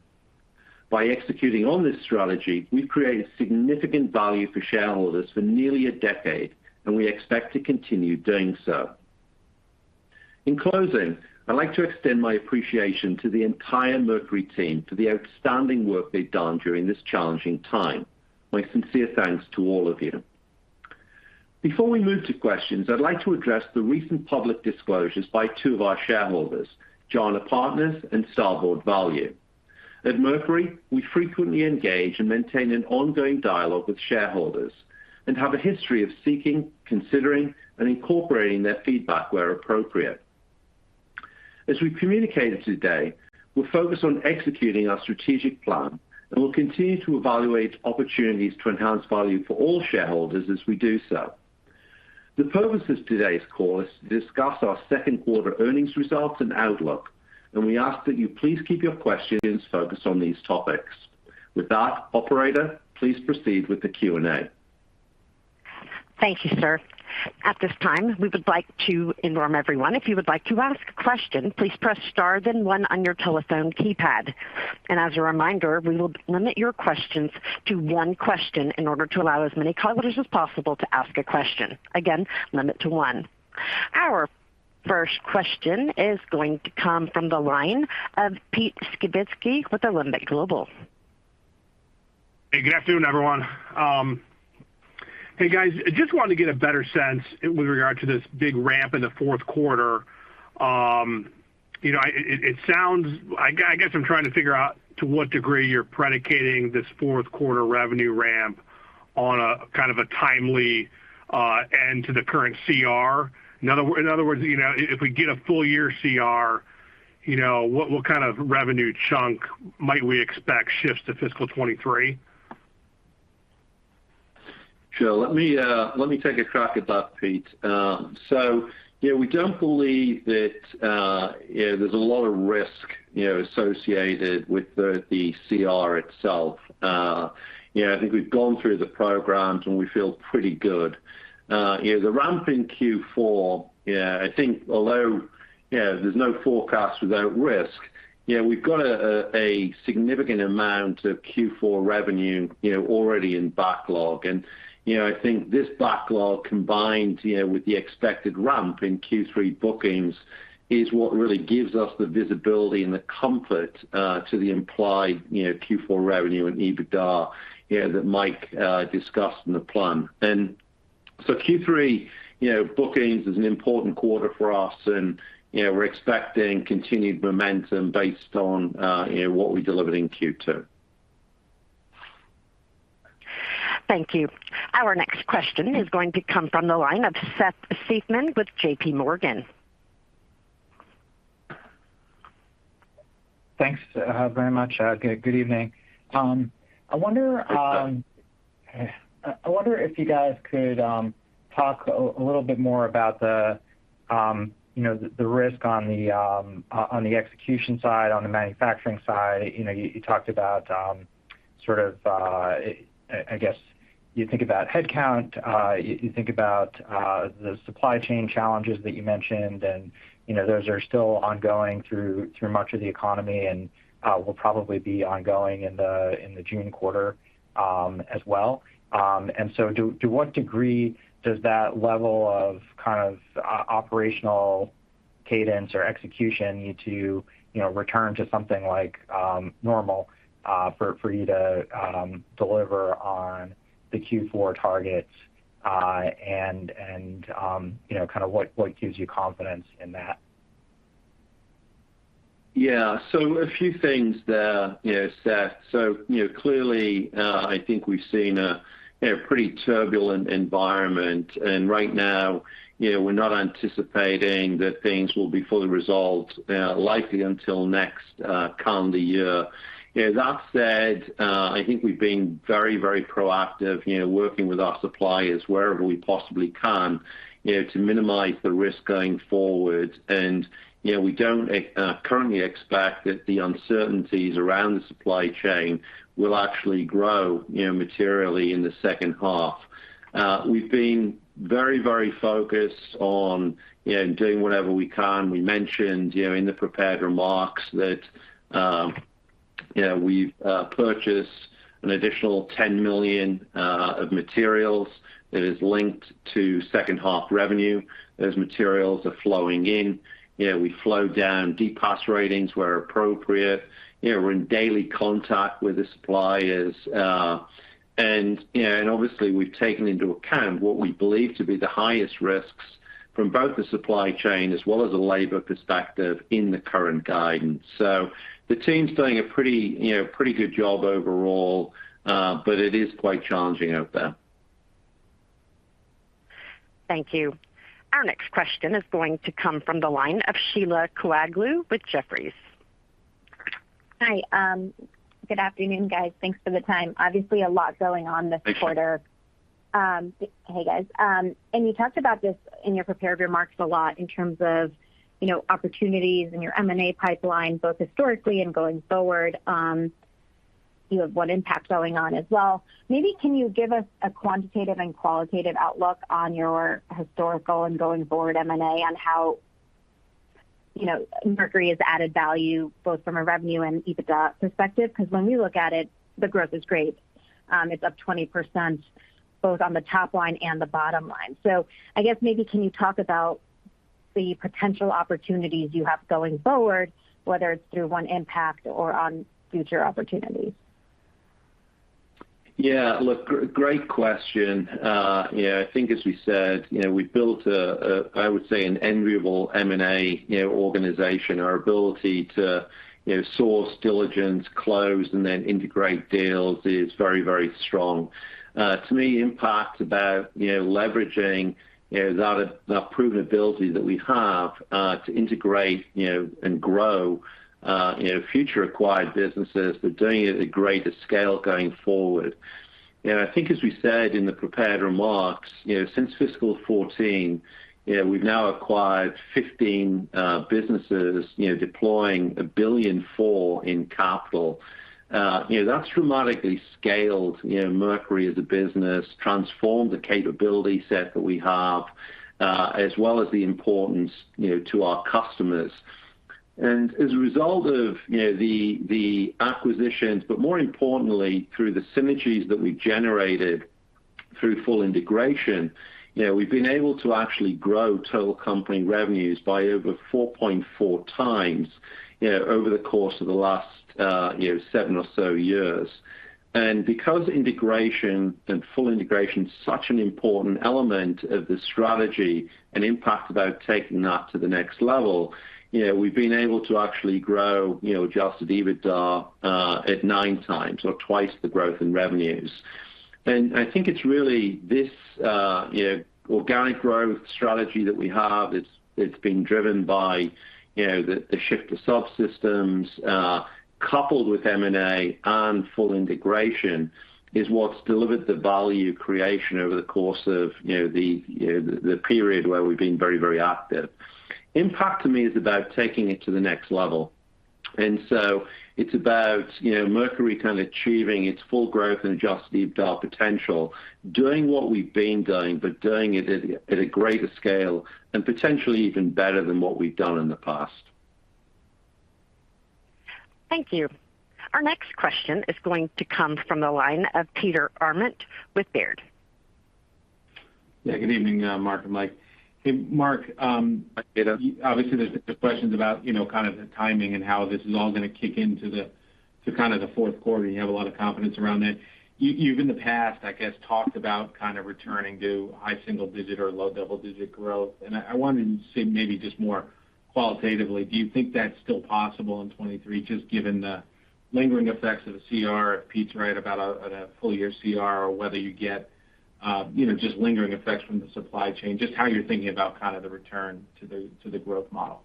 By executing on this strategy, we've created significant value for shareholders for nearly a decade, and we expect to continue doing so. In closing, I'd like to extend my appreciation to the entire Mercury team for the outstanding work they've done during this challenging time. My sincere thanks to all of you. Before we move to questions, I'd like to address the recent public disclosures by two of our shareholders, Jana Partners and Starboard Value. At Mercury, we frequently engage and maintain an ongoing dialogue with shareholders and have a history of seeking, considering, and incorporating their feedback where appropriate. As we communicated today, we're focused on executing our strategic plan, and we'll continue to evaluate opportunities to enhance value for all shareholders as we do so. The purpose of today's call is to discuss our second quarter earnings results and outlook, and we ask that you please keep your questions focused on these topics. With that, operator, please proceed with the Q&A. Thank you, sir. At this time, we would like to inform everyone, if you would like to ask a question, please press star then one on your telephone keypad. As a reminder, we will limit your questions to one question in order to allow as many callers as possible to ask a question. Again, limit to one. Our first question is going to come from the line of Pete Skibitski with Alembic Global. Hey, good afternoon, everyone. Hey, guys, I just wanted to get a better sense with regard to this big ramp in the fourth quarter. I guess I'm trying to figure out to what degree you're predicating this fourth quarter revenue ramp on a kind of a timely end to the current CR. In other words, if we get a full year CR, what kind of revenue chunk might we expect shift to fiscal 2023? Sure. Let me take a crack at that, Pete. So yeah, we don't believe that there's a lot of risk, you know, associated with the CR itself. I think we've gone through the programs, and we feel pretty good. The ramp in Q4, yeah, I think although there's no forecast without risk, you know, we've got a significant amount of Q4 revenue, you know, already in backlog. I think this backlog combined, you know, with the expected ramp in Q3 bookings is what really gives us the visibility and the comfort to the implied, you know, Q4 revenue and EBITDA, you know, that Mike discussed in the plan. Q3, you know, bookings is an important quarter for us, and, you know, we're expecting continued momentum based on, you know, what we delivered in Q2. Thank you. Our next question is going to come from the line of Seth Seifman with JPMorgan. Thanks very much. Good evening. I wonder if you guys could talk a little bit more about you know the risk on the execution side, on the manufacturing side. You know, you talked about sort of, I guess you think about headcount, you think about the supply chain challenges that you mentioned, and you know those are still ongoing through much of the economy and will probably be ongoing in the June quarter as well. To what degree does that level of kind of operational cadence or execution need to you know return to something like normal for you to deliver on the Q4 targets? You know, kind of what gives you confidence in that? Yeah. A few things there, you know, Seth. You know, clearly, I think we've seen a pretty turbulent environment. Right now, you know, we're not anticipating that things will be fully resolved, likely until next calendar year. You know, that said, I think we've been very, very proactive, you know, working with our suppliers wherever we possibly can, you know, to minimize the risk going forward. You know, we don't currently expect that the uncertainties around the supply chain will actually grow, you know, materially in the second half. We've been very, very focused on, you know, doing whatever we can. We mentioned, you know, in the prepared remarks that, you know, we've purchased an additional $10 million of materials that is linked to second half revenue. Those materials are flowing in. You know, we flow down DPAS ratings where appropriate. You know, we're in daily contact with the suppliers. Obviously we've taken into account what we believe to be the highest risks from both the supply chain as well as the labor perspective in the current guidance. The team's doing a pretty, you know, good job overall, but it is quite challenging out there. Thank you. Our next question is going to come from the line of Sheila Kahyaoglu with Jefferies. Hi. Good afternoon, guys. Thanks for the time. Obviously, a lot going on this quarter. Thank you. Hey, guys. You talked about this in your prepared remarks a lot in terms of, you know, opportunities in your M&A pipeline, both historically and going forward. You have 1MPACT going on as well. Maybe can you give us a quantitative and qualitative outlook on your historical and going forward M&A on how, you know, Mercury has added value both from a revenue and EBITDA perspective? Because when we look at it, the growth is great. It's up 20% both on the top line and the bottom line. I guess maybe can you talk about the potential opportunities you have going forward, whether it's through 1MPACT or on future opportunities? Yeah, look, great question. Yeah, I think as we said, you know, we built a, I would say an enviable M&A, you know, organization. Our ability to, you know, source diligence, close, and then integrate deals is very, very strong. To me, 1MPACT's about, you know, leveraging, you know, that proven ability that we have, to integrate, you know, and grow, you know, future acquired businesses, but doing it at greater scale going forward. You know, I think as we said in the prepared remarks, you know, since fiscal 2014, you know, we've now acquired 15 businesses, you know, deploying $1.4 billion in capital. You know, that's dramatically scaled, you know, Mercury as a business, transformed the capability set that we have, as well as the importance, you know, to our customers. As a result of, you know, the acquisitions, but more importantly, through the synergies that we generated through full integration, you know, we've been able to actually grow total company revenues by over 4.4 times, you know, over the course of the last, you know, seven or so years. Because integration and full integration is such an important element of the strategy and 1MPACT about taking that to the next level, you know, we've been able to actually grow, you know, adjusted EBITDA at nine times or twice the growth in revenues. I think it's really this, you know, organic growth strategy that we have, it's been driven by, you know, the shift to subsystems, coupled with M&A and full integration is what's delivered the value creation over the course of, you know, the period where we've been very, very active. 1MPACT to me is about taking it to the next level. It's about, you know, Mercury kind of achieving its full growth and adjusted EBITDA potential, doing what we've been doing, but doing it at a greater scale and potentially even better than what we've done in the past. Thank you. Our next question is going to come from the line of Peter Arment with Baird. Yeah, good evening, Mark and Mike. Hey, Mark, Hi, Peter. Obviously, there's the questions about, you know, kind of the timing and how this is all going to kick into the fourth quarter. You have a lot of confidence around that. You've in the past, I guess, talked about kind of returning to high single digit or low double digit growth. I wanted to see maybe just more qualitatively, do you think that's still possible in 2023, just given the lingering effects of CR, if Pete's right about a full year CR or whether you get, you know, just lingering effects from the supply chain, just how you're thinking about kind of the return to the growth model?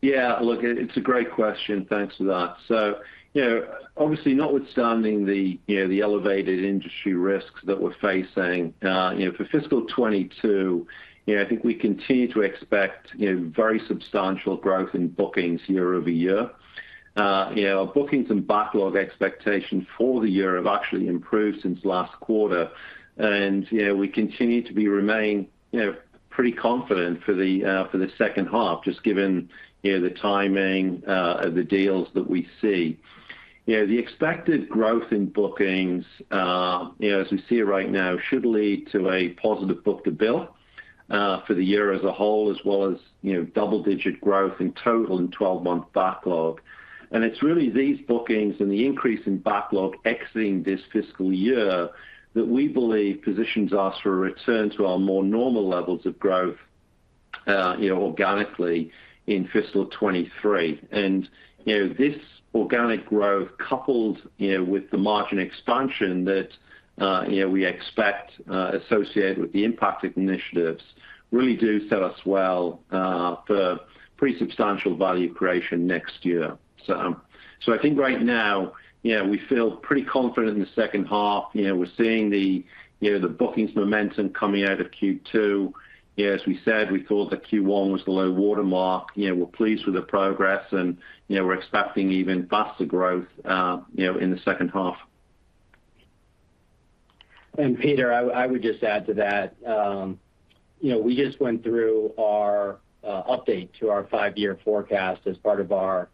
Yeah. Look, it's a great question. Thanks for that. So, you know, obviously notwithstanding the, you know, the elevated industry risks that we're facing, you know, for fiscal 2022, you know, I think we continue to expect, you know, very substantial growth in bookings year-over-year. You know, our bookings and backlog expectation for the year have actually improved since last quarter. You know, we continue to remain, you know, pretty confident for the second half, just given, you know, the timing of the deals that we see. You know, the expected growth in bookings, you know, as we see it right now, should lead to a positive book-to-bill for the year as a whole, as well as, you know, double-digit growth in total in 12-month backlog. It's really these bookings and the increase in backlog exiting this fiscal year that we believe positions us for a return to our more normal levels of growth, you know, organically in fiscal 2023. You know, this organic growth coupled, you know, with the margin expansion that, you know, we expect, associated with the 1MPACT initiatives really do set us well, for pretty substantial value creation next year. I think right now, you know, we feel pretty confident in the second half. You know, we're seeing the bookings momentum coming out of Q2. You know, as we said, we thought that Q1 was the low watermark. You know, we're pleased with the progress and, you know, we're expecting even faster growth, you know, in the second half. Peter, I would just add to that. You know, we just went through our update to our five-year forecast as part of our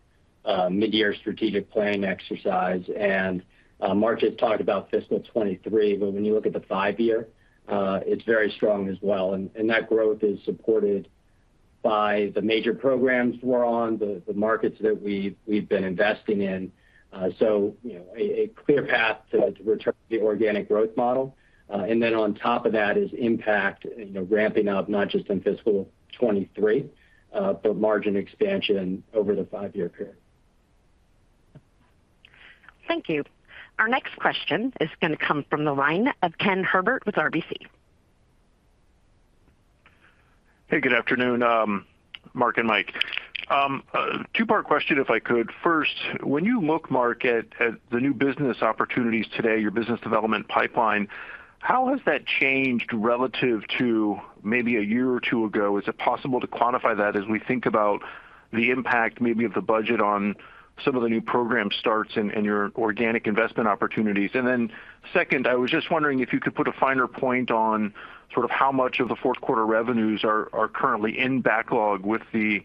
mid-year strategic planning exercise. Mark has talked about fiscal 2023, but when you look at the five-year, it's very strong as well. That growth is supported by the major programs we're on, the markets that we've been investing in. You know, a clear path to return to the organic growth model. Then on top of that is 1MPACT, you know, ramping up not just in fiscal 2023, but margin expansion over the five-year period. Thank you. Our next question is gonna come from the line of Ken Herbert with RBC. Hey, good afternoon, Mark and Mike. Two-part question, if I could. First, when you look, Mark, at the new business opportunities today, your business development pipeline How has that changed relative to maybe a year or two ago? Is it possible to quantify that as we think about the impact maybe of the budget on some of the new program starts and your organic investment opportunities? And then second, I was just wondering if you could put a finer point on sort of how much of the fourth quarter revenues are currently in backlog with the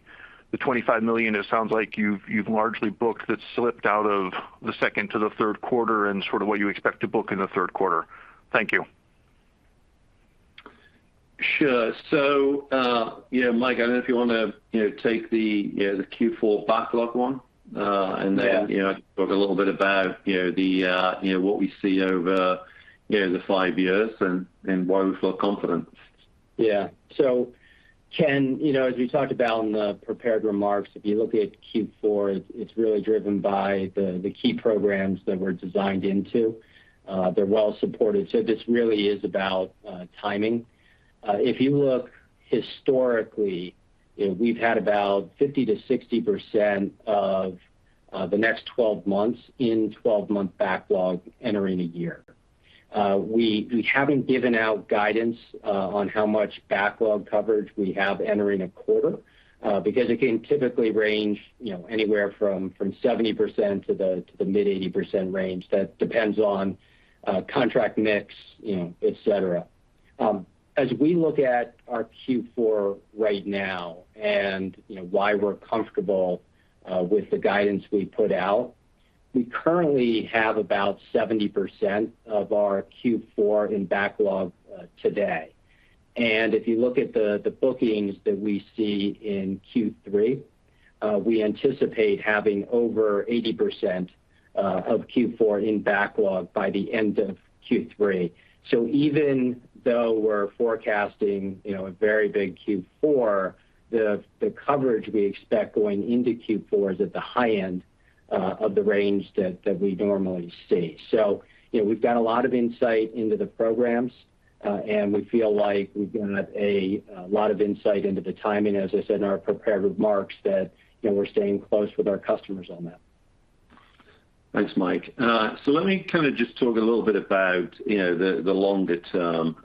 $25 million it sounds like you've largely booked that slipped out of the second to the third quarter and sort of what you expect to book in the third quarter. Thank you. Sure. Yeah, Mike, I don't know if you wanna, you know, take the, you know, the Q4 backlog one, and then. Yeah. You know, talk a little bit about, you know, the, you know, what we see over, you know, the five years and why we feel confident. Yeah. Ken, you know, as we talked about in the prepared remarks, if you look at Q4, it's really driven by the key programs that we're designed into. They're well supported, so this really is about timing. If you look historically, you know, we've had about 50%-60% of the next 12 months in 12-month backlog entering a year. We haven't given out guidance on how much backlog coverage we have entering a quarter because it can typically range, you know, anywhere from 70% to the mid-80% range. That depends on contract mix, you know, et cetera. As we look at our Q4 right now and, you know, why we're comfortable with the guidance we put out, we currently have about 70% of our Q4 in backlog today. If you look at the bookings that we see in Q3, we anticipate having over 80% of Q4 in backlog by the end of Q3. Even though we're forecasting, you know, a very big Q4, the coverage we expect going into Q4 is at the high end of the range that we normally see. You know, we've got a lot of insight into the programs and we feel like we've got a lot of insight into the timing, as I said in our prepared remarks, that, you know, we're staying close with our customers on that. Thanks, Mike. Let me kinda just talk a little bit about, you know, the longer term.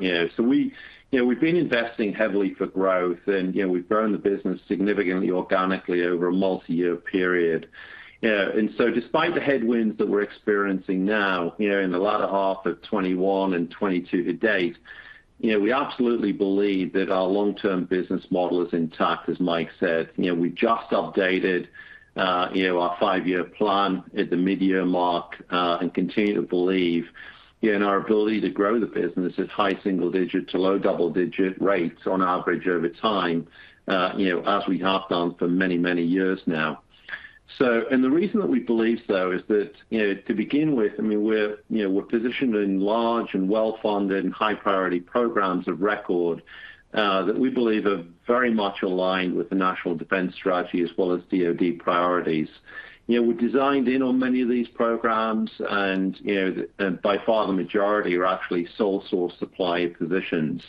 You know, we've been investing heavily for growth and, you know, we've grown the business significantly organically over a multiyear period. Despite the headwinds that we're experiencing now, you know, in the latter half of 2021 and 2022 to date, you know, we absolutely believe that our long-term business model is intact, as Mike said. You know, we just updated, you know, our five-year plan at the midyear mark, and continue to believe in our ability to grow the business at high single digit to low double digit rates on average over time, you know, as we have done for many, many years now. The reason that we believe so is that, you know, to begin with, I mean, we're positioned in large and well-funded, high priority programs of record that we believe are very much aligned with the National Defense Strategy as well as DoD priorities. You know, we're designed in on many of these programs and, you know, by far the majority are actually sole source supply positions.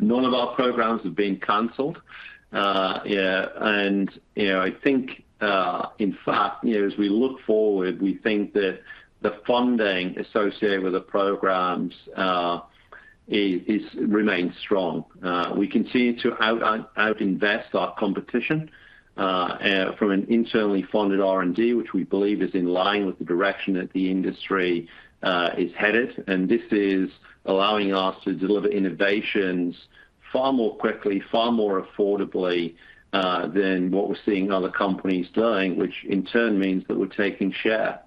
None of our programs have been canceled. I think, in fact, you know, as we look forward, we think that the funding associated with the programs remains strong. We continue to out-invest our competition from an internally funded R&D, which we believe is in line with the direction that the industry is headed. This is allowing us to deliver innovations far more quickly, far more affordably, than what we're seeing other companies doing, which in turn means that we're taking share.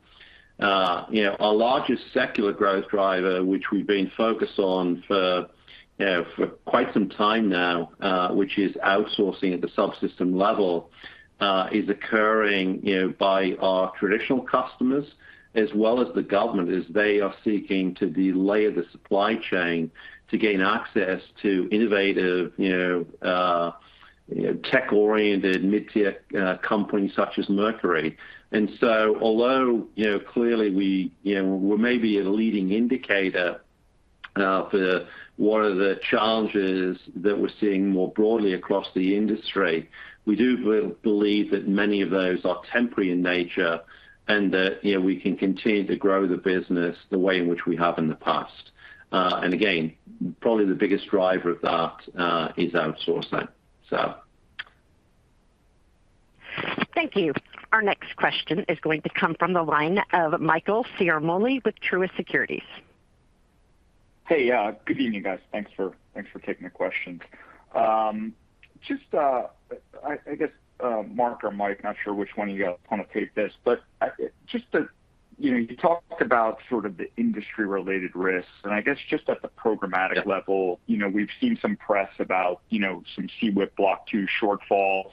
You know, our largest secular growth driver, which we've been focused on for quite some time now, which is outsourcing at the subsystem level, is occurring, you know, by our traditional customers as well as the government as they are seeking to de-layer the supply chain to gain access to innovative, you know, tech-oriented mid-tier companies such as Mercury. Although, you know, clearly we, you know, we're maybe a leading indicator for what are the challenges that we're seeing more broadly across the industry, we do believe that many of those are temporary in nature and that, you know, we can continue to grow the business the way in which we have in the past. Again, probably the biggest driver of that is outsourcing. Thank you. Our next question is going to come from the line of Michael Ciarmoli with Truist Securities. Hey. Good evening, guys. Thanks for taking the questions. I guess Mark or Mike, not sure which one of you wanna take this, but just to, you know, you talked about sort of the industry-related risks, and I guess just at the programmatic level, you know, we've seen some press about, you know, some SEWIP Block 2 shortfalls.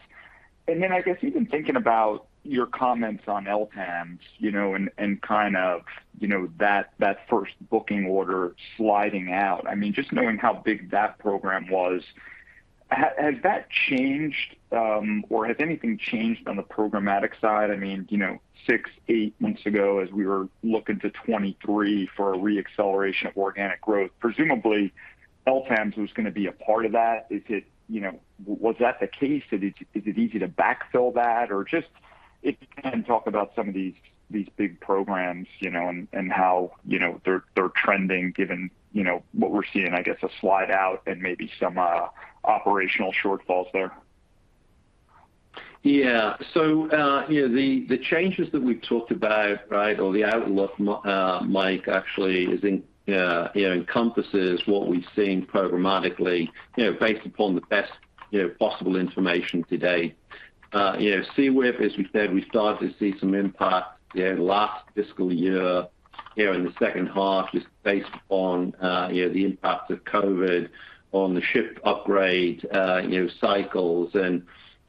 I guess even thinking about your comments on LTAMDS, you know, and kind of, you know, that first booking order sliding out. I mean, just knowing how big that program was, has that changed, or has anything changed on the programmatic side? I mean, you know, six, eight months ago as we were looking to 2023 for a re-acceleration of organic growth, presumably LTAMDS was gonna be a part of that. Is it, you know, was that the case? Is it easy to backfill that? Or just if you can talk about some of these big programs, you know, and how, you know, they're trending given, you know, what we're seeing, I guess, a slide out and maybe some operational shortfalls there. The changes that we've talked about, right, or the outlook, Mike, actually is in encompasses what we've seen programmatically, you know, based upon the best possible information today. You know, SEWIP, as we said, we started to see some impact, you know, last fiscal year, you know, in the second half just based upon the impact of COVID on the ship upgrade cycles. You know, we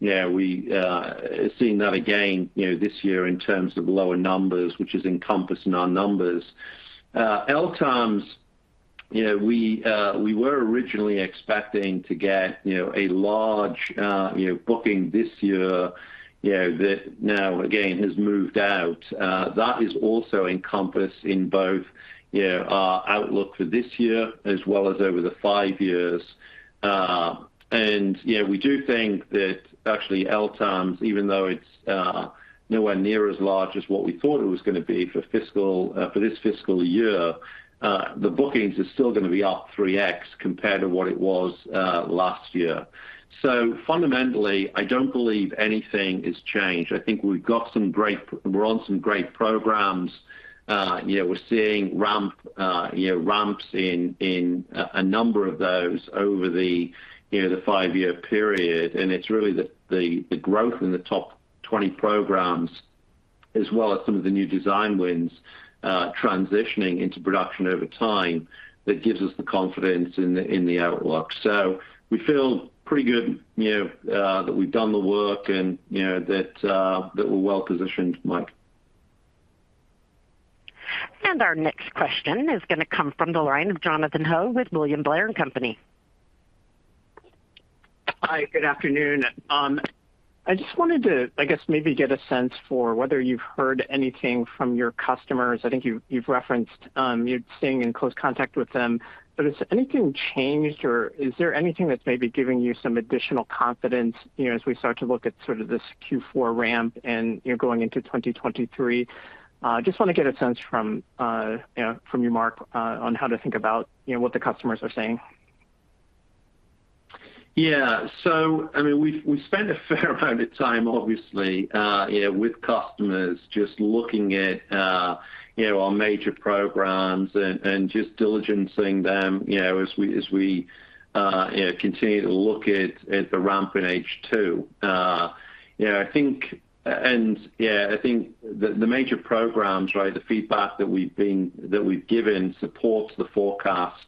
are seeing that again, you know, this year in terms of lower numbers, which is encompassed in our numbers. LTAMDS, you know, we were originally expecting to get a large booking this year, you know, that now again has moved out. That is also encompassed in both, you know, our outlook for this year as well as over the five years. You know, we do think that actually LTAMDS, even though it's nowhere near as large as what we thought it was gonna be for fiscal, for this fiscal year, the bookings is still gonna be up 3x compared to what it was last year. Fundamentally, I don't believe anything has changed. I think we're on some great programs. You know, we're seeing ramp, you know, ramps in a number of those over the five-year period. It's really the growth in the top 20 programs as well as some of the new design wins transitioning into production over time that gives us the confidence in the outlook. We feel pretty good that we've done the work and, you know, that we're well positioned, Mike. Our next question is gonna come from the line of Jonathan Ho with William Blair & Company. Hi, good afternoon. I just wanted to, I guess, maybe get a sense for whether you've heard anything from your customers. I think you've referenced you're staying in close contact with them, but has anything changed, or is there anything that's maybe giving you some additional confidence, you know, as we start to look at sort of this Q4 ramp and, you know, going into 2023? Just wanna get a sense from you, Mark, on how to think about, you know, what the customers are saying. Yeah. I mean, we spend a fair amount of time obviously you know with customers just looking at you know our major programs and just diligencing them you know as we you know continue to look at the ramp in H2. I think the major programs right the feedback that we've given supports the forecast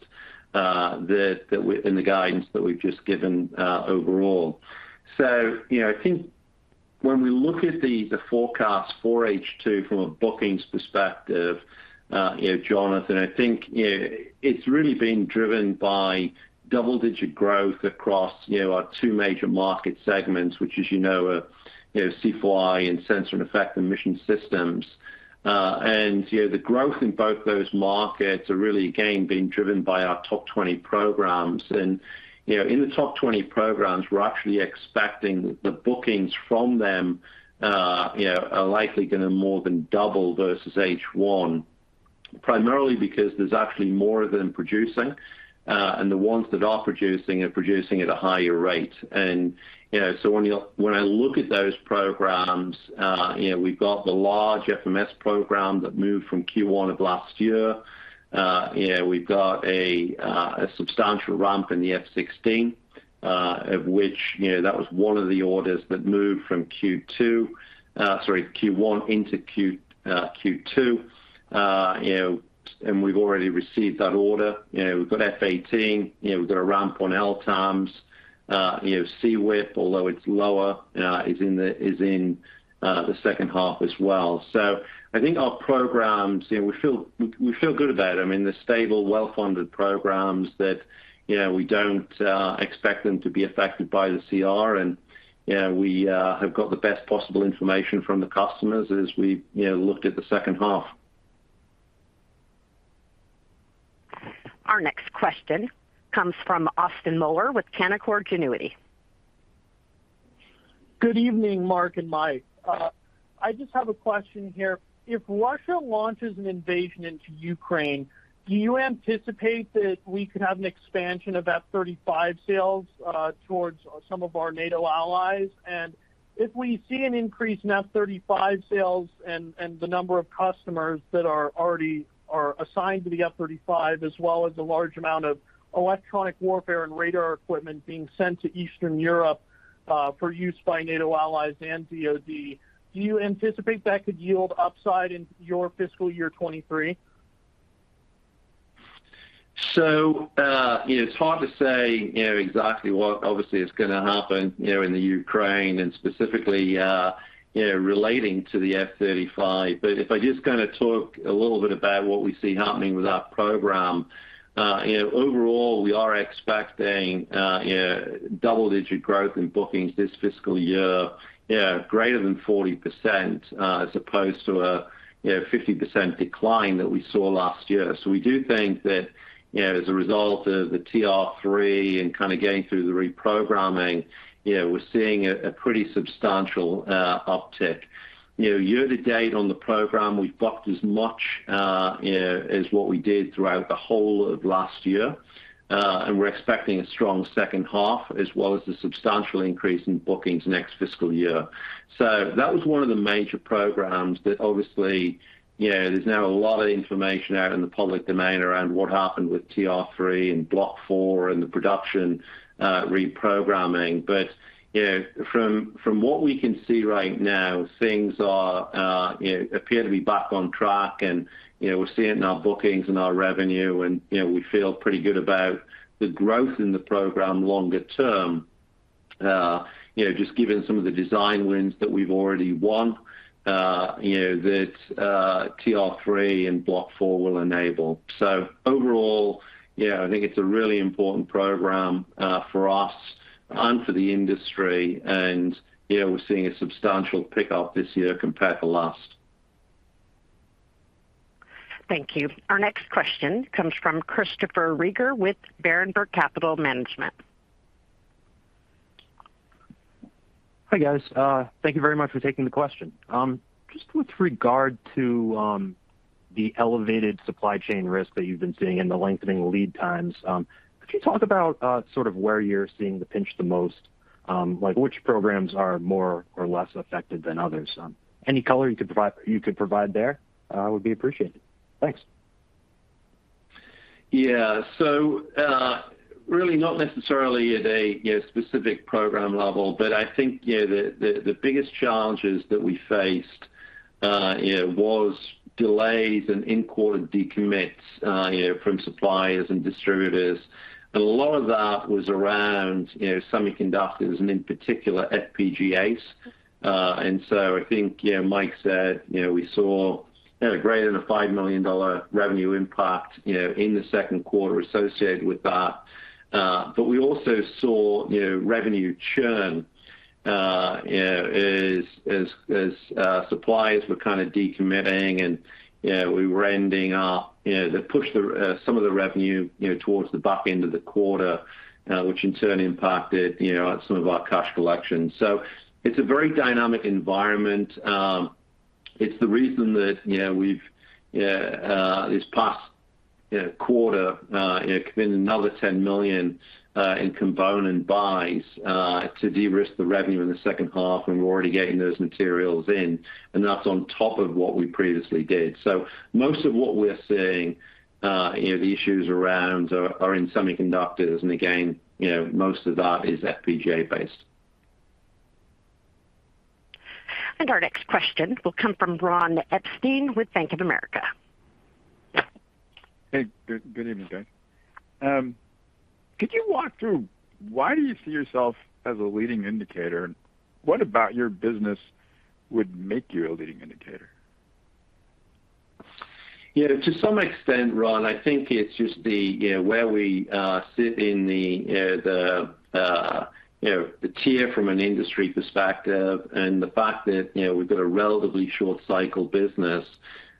that we and the guidance that we've just given overall. I think when we look at the forecast for H2 from a bookings perspective, you know Jonathan I think you know it's really been driven by double-digit growth across you know our two major market segments which as you know are you know C4I and sensor and effector mission systems. you know, the growth in both those markets are really, again, being driven by our top 20 programs. you know, in the top 20 programs, we're actually expecting the bookings from them, you know, are likely gonna more than double versus H1, primarily because there's actually more of them producing, and the ones that are producing are producing at a higher rate. you know, so when I look at those programs, you know, we've got the large FMS program that moved from Q1 of last year. you know, we've got a substantial ramp in the F-16, of which, you know, that was one of the orders that moved from Q1 into Q2. you know, and we've already received that order. You know, we've got F-18, you know, we've got a ramp on LTAMDS. SEWIP, although it's lower, is in the second half as well. I think our programs, you know, we feel good about them. I mean, they're stable, well-funded programs that, you know, we don't expect them to be affected by the CR. We have got the best possible information from the customers as we, you know, looked at the second half. Our next question comes from Austin Moeller with Canaccord Genuity. Good evening, Mark and Mike. I just have a question here. If Russia launches an invasion into Ukraine, do you anticipate that we could have an expansion of F-35 sales, towards some of our NATO allies? If we see an increase in F-35 sales and the number of customers that are already assigned to the F-35 as well as a large amount of electronic warfare and radar equipment being sent to Eastern Europe, for use by NATO allies and DoD, do you anticipate that could yield upside in your fiscal year 2023? You know, it's hard to say, you know, exactly what obviously is gonna happen, you know, in Ukraine and specifically, you know, relating to the F-35. But if I just kinda talk a little bit about what we see happening with our program, you know, overall, we are expecting, you know, double-digit growth in bookings this fiscal year, you know, greater than 40%, as opposed to a, you know, 50% decline that we saw last year. We do think that, you know, as a result of the TR-3 and kinda getting through the reprogramming, you know, we're seeing a pretty substantial uptick. You know, year to date on the program, we've booked as much, you know, as what we did throughout the whole of last year. We're expecting a strong second half, as well as a substantial increase in bookings next fiscal year. That was one of the major programs that obviously, you know, there's now a lot of information out in the public domain around what happened with TR-3 and Block 4 and the production, reprogramming. You know, from what we can see right now, things are, you know, appear to be back on track. You know, we're seeing it in our bookings and our revenue. You know, we feel pretty good about the growth in the program longer term, you know, just given some of the design wins that we've already won, you know, that TR-3 and Block 4 will enable. Overall, you know, I think it's a really important program for us and for the industry. You know, we're seeing a substantial pickup this year compared to last. Thank you. Our next question comes from Christopher Rieger with Berenberg Capital Markets. Hi, guys. Thank you very much for taking the question. Just with regard to the elevated supply chain risk that you've been seeing and the lengthening lead times, could you talk about sort of where you're seeing the pinch the most? Like which programs are more or less affected than others? Any color you could provide there would be appreciated. Thanks. Yeah. Really not necessarily at a specific program level, but I think, you know, the biggest challenges that we faced, you know, was delays and in-quarter decommits, you know, from suppliers and distributors. A lot of that was around, you know, semiconductors and in particular FPGAs. I think, you know, Mike said, you know, we saw, you know, greater than $5 million revenue 1MPACT, you know, in the second quarter associated with that. We also saw, you know, revenue churn, you know, as suppliers were kinda decommitting. You know, we were ending up, you know, that pushed the some of the revenue, you know, towards the back end of the quarter, which in turn impacted, you know, some of our cash collection. It's a very dynamic environment. It's the reason that, you know, we've this past, you know, quarter, you know, committed another $10 million in component buys to de-risk the revenue in the second half, and we're already getting those materials in. That's on top of what we previously did. Most of what we're seeing, you know, the issues around are in semiconductors. Again, you know, most of that is FPGA-based. Our next question will come from Ron Epstein with Bank of America. Hey. Good evening, guys. Could you walk through why do you see yourself as a leading indicator? What about your business would make you a leading indicator? Yeah. To some extent, Ron, I think it's just, you know, where we sit in the tier from an industry perspective and the fact that, you know, we've got a relatively short cycle business.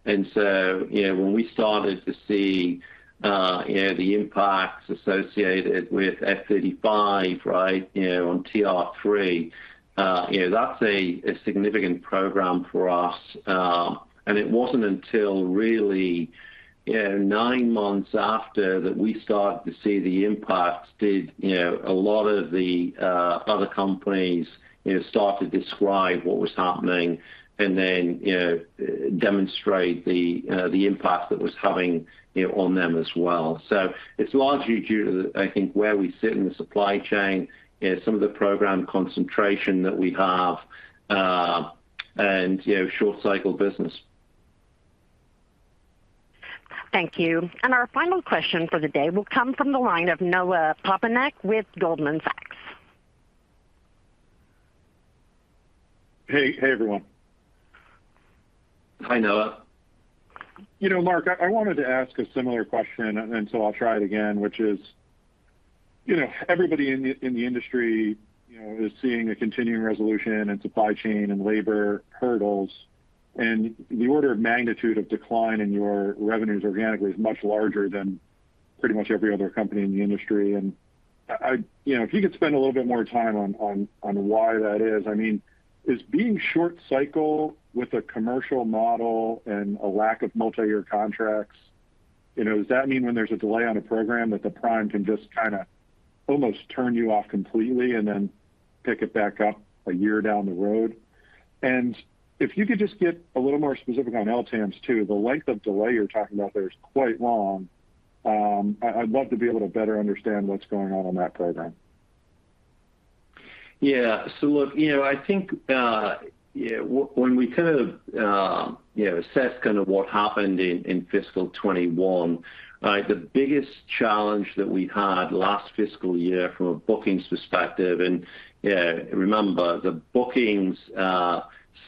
You know, when we started to see, you know, the impacts associated with F-35, right, you know, on TR-3, you know, that's a significant program for us. It wasn't until really, you know, nine months after that a lot of the other companies, you know, started to describe what was happening and then, you know, demonstrate the impact that was having, you know, on them as well. It's largely due to, I think, where we sit in the supply chain, you know, some of the program concentration that we have, and, you know, short cycle business. Thank you. Our final question for the day will come from the line of Noah Poponak with Goldman Sachs. Hey. Hey, everyone. Hi, Noah. You know, Mark, I wanted to ask a similar question, so I'll try it again, which is, you know, everybody in the industry is seeing a continuing resolution, supply chain and labor hurdles. The order of magnitude of decline in your revenues organically is much larger than pretty much every other company in the industry. If you could spend a little bit more time on why that is. I mean, is being short cycle with a commercial model and a lack of multi-year contracts, you know, does that mean when there's a delay on a program that the prime can just kinda almost turn you off completely and then pick it back up a year down the road? If you could just get a little more specific on LTAMDS too. The length of delay you're talking about there is quite long. I'd love to be able to better understand what's going on that program. Yeah. Look, you know, I think, you know, when we kind of, you know, assess kind of what happened in fiscal 2021, the biggest challenge that we had last fiscal year from a bookings perspective and, yeah, remember the bookings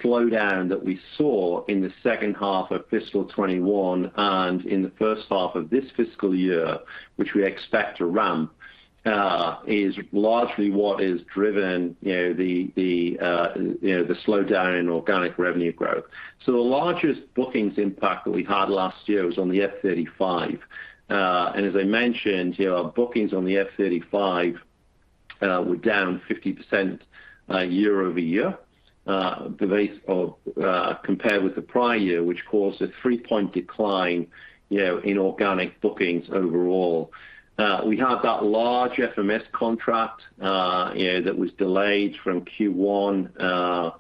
slowdown that we saw in the second half of fiscal 2021 and in the first half of this fiscal year, which we expect to ramp, is largely what has driven, you know, the slowdown in organic revenue growth. The largest bookings impact that we had last year was on the F-35. As I mentioned, you know, our bookings on the F-35 were down 50% year-over-year compared with the prior year, which caused a 3-point decline, you know, in organic bookings overall. We had that large FMS contract, you know that was delayed from Q1,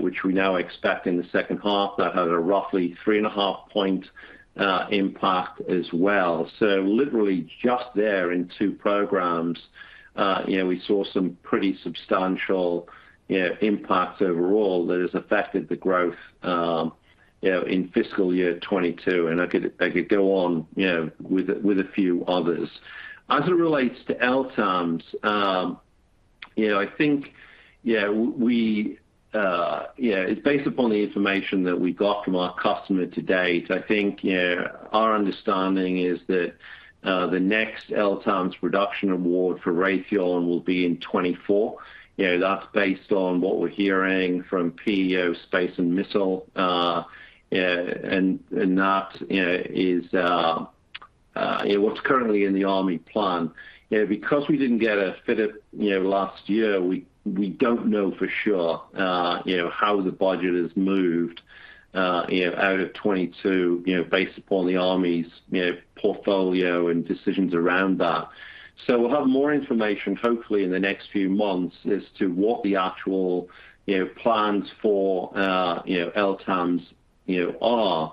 which we now expect in the second half. That had a roughly 3.5-point impact as well. Literally just there in two programs, you know, we saw some pretty substantial, you know, impacts overall that has affected the growth, you know, in fiscal year 2022. I could go on, you know, with a few others. As it relates to LTAMDS, you know, I think it's based upon the information that we got from our customer to date. I think, you know, our understanding is that the next LTAMDS production award for Raytheon will be in 2024. You know, that's based on what we're hearing from PEO Missiles & Space. Yeah, that, you know, is what's currently in the Army plan. You know, because we didn't get funding, you know, last year, we don't know for sure, you know, how the budget has moved, you know, out of 2022, you know, based upon the Army's, you know, portfolio and decisions around that. We'll have more information hopefully in the next few months as to what the actual, you know, plans for, you know, LTAMDS, you know, are. I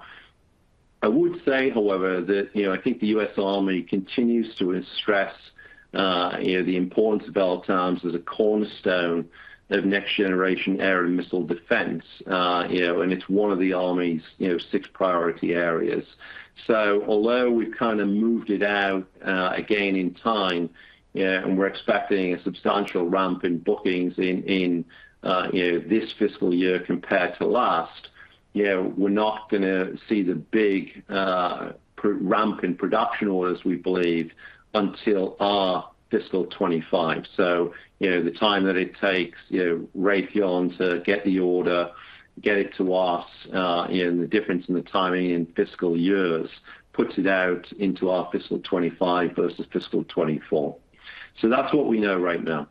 would say, however, that, you know, I think the U.S. Army continues to stress, you know, the importance of LTAMDS as a cornerstone of next generation air and missile defense. You know, it's one of the Army's, you know, six priority areas. Although we've kind of moved it out, again in time, and we're expecting a substantial ramp in bookings in, you know, this fiscal year compared to last, you know, we're not gonna see the big ramp in production orders, we believe, until fiscal 2025. You know, the time that it takes, you know, Raytheon to get the order, get it to us, and the difference in the timing in fiscal years puts it out into our fiscal 2025 versus fiscal 2024. That's what we know right now.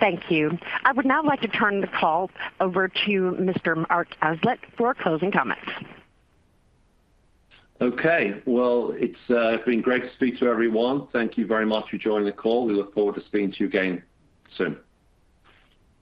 Thank you. I would now like to turn the call over to Mr. Mark Aslett for closing comments. Okay. Well, it's been great to speak to everyone. Thank you very much for joining the call. We look forward to speaking to you again soon.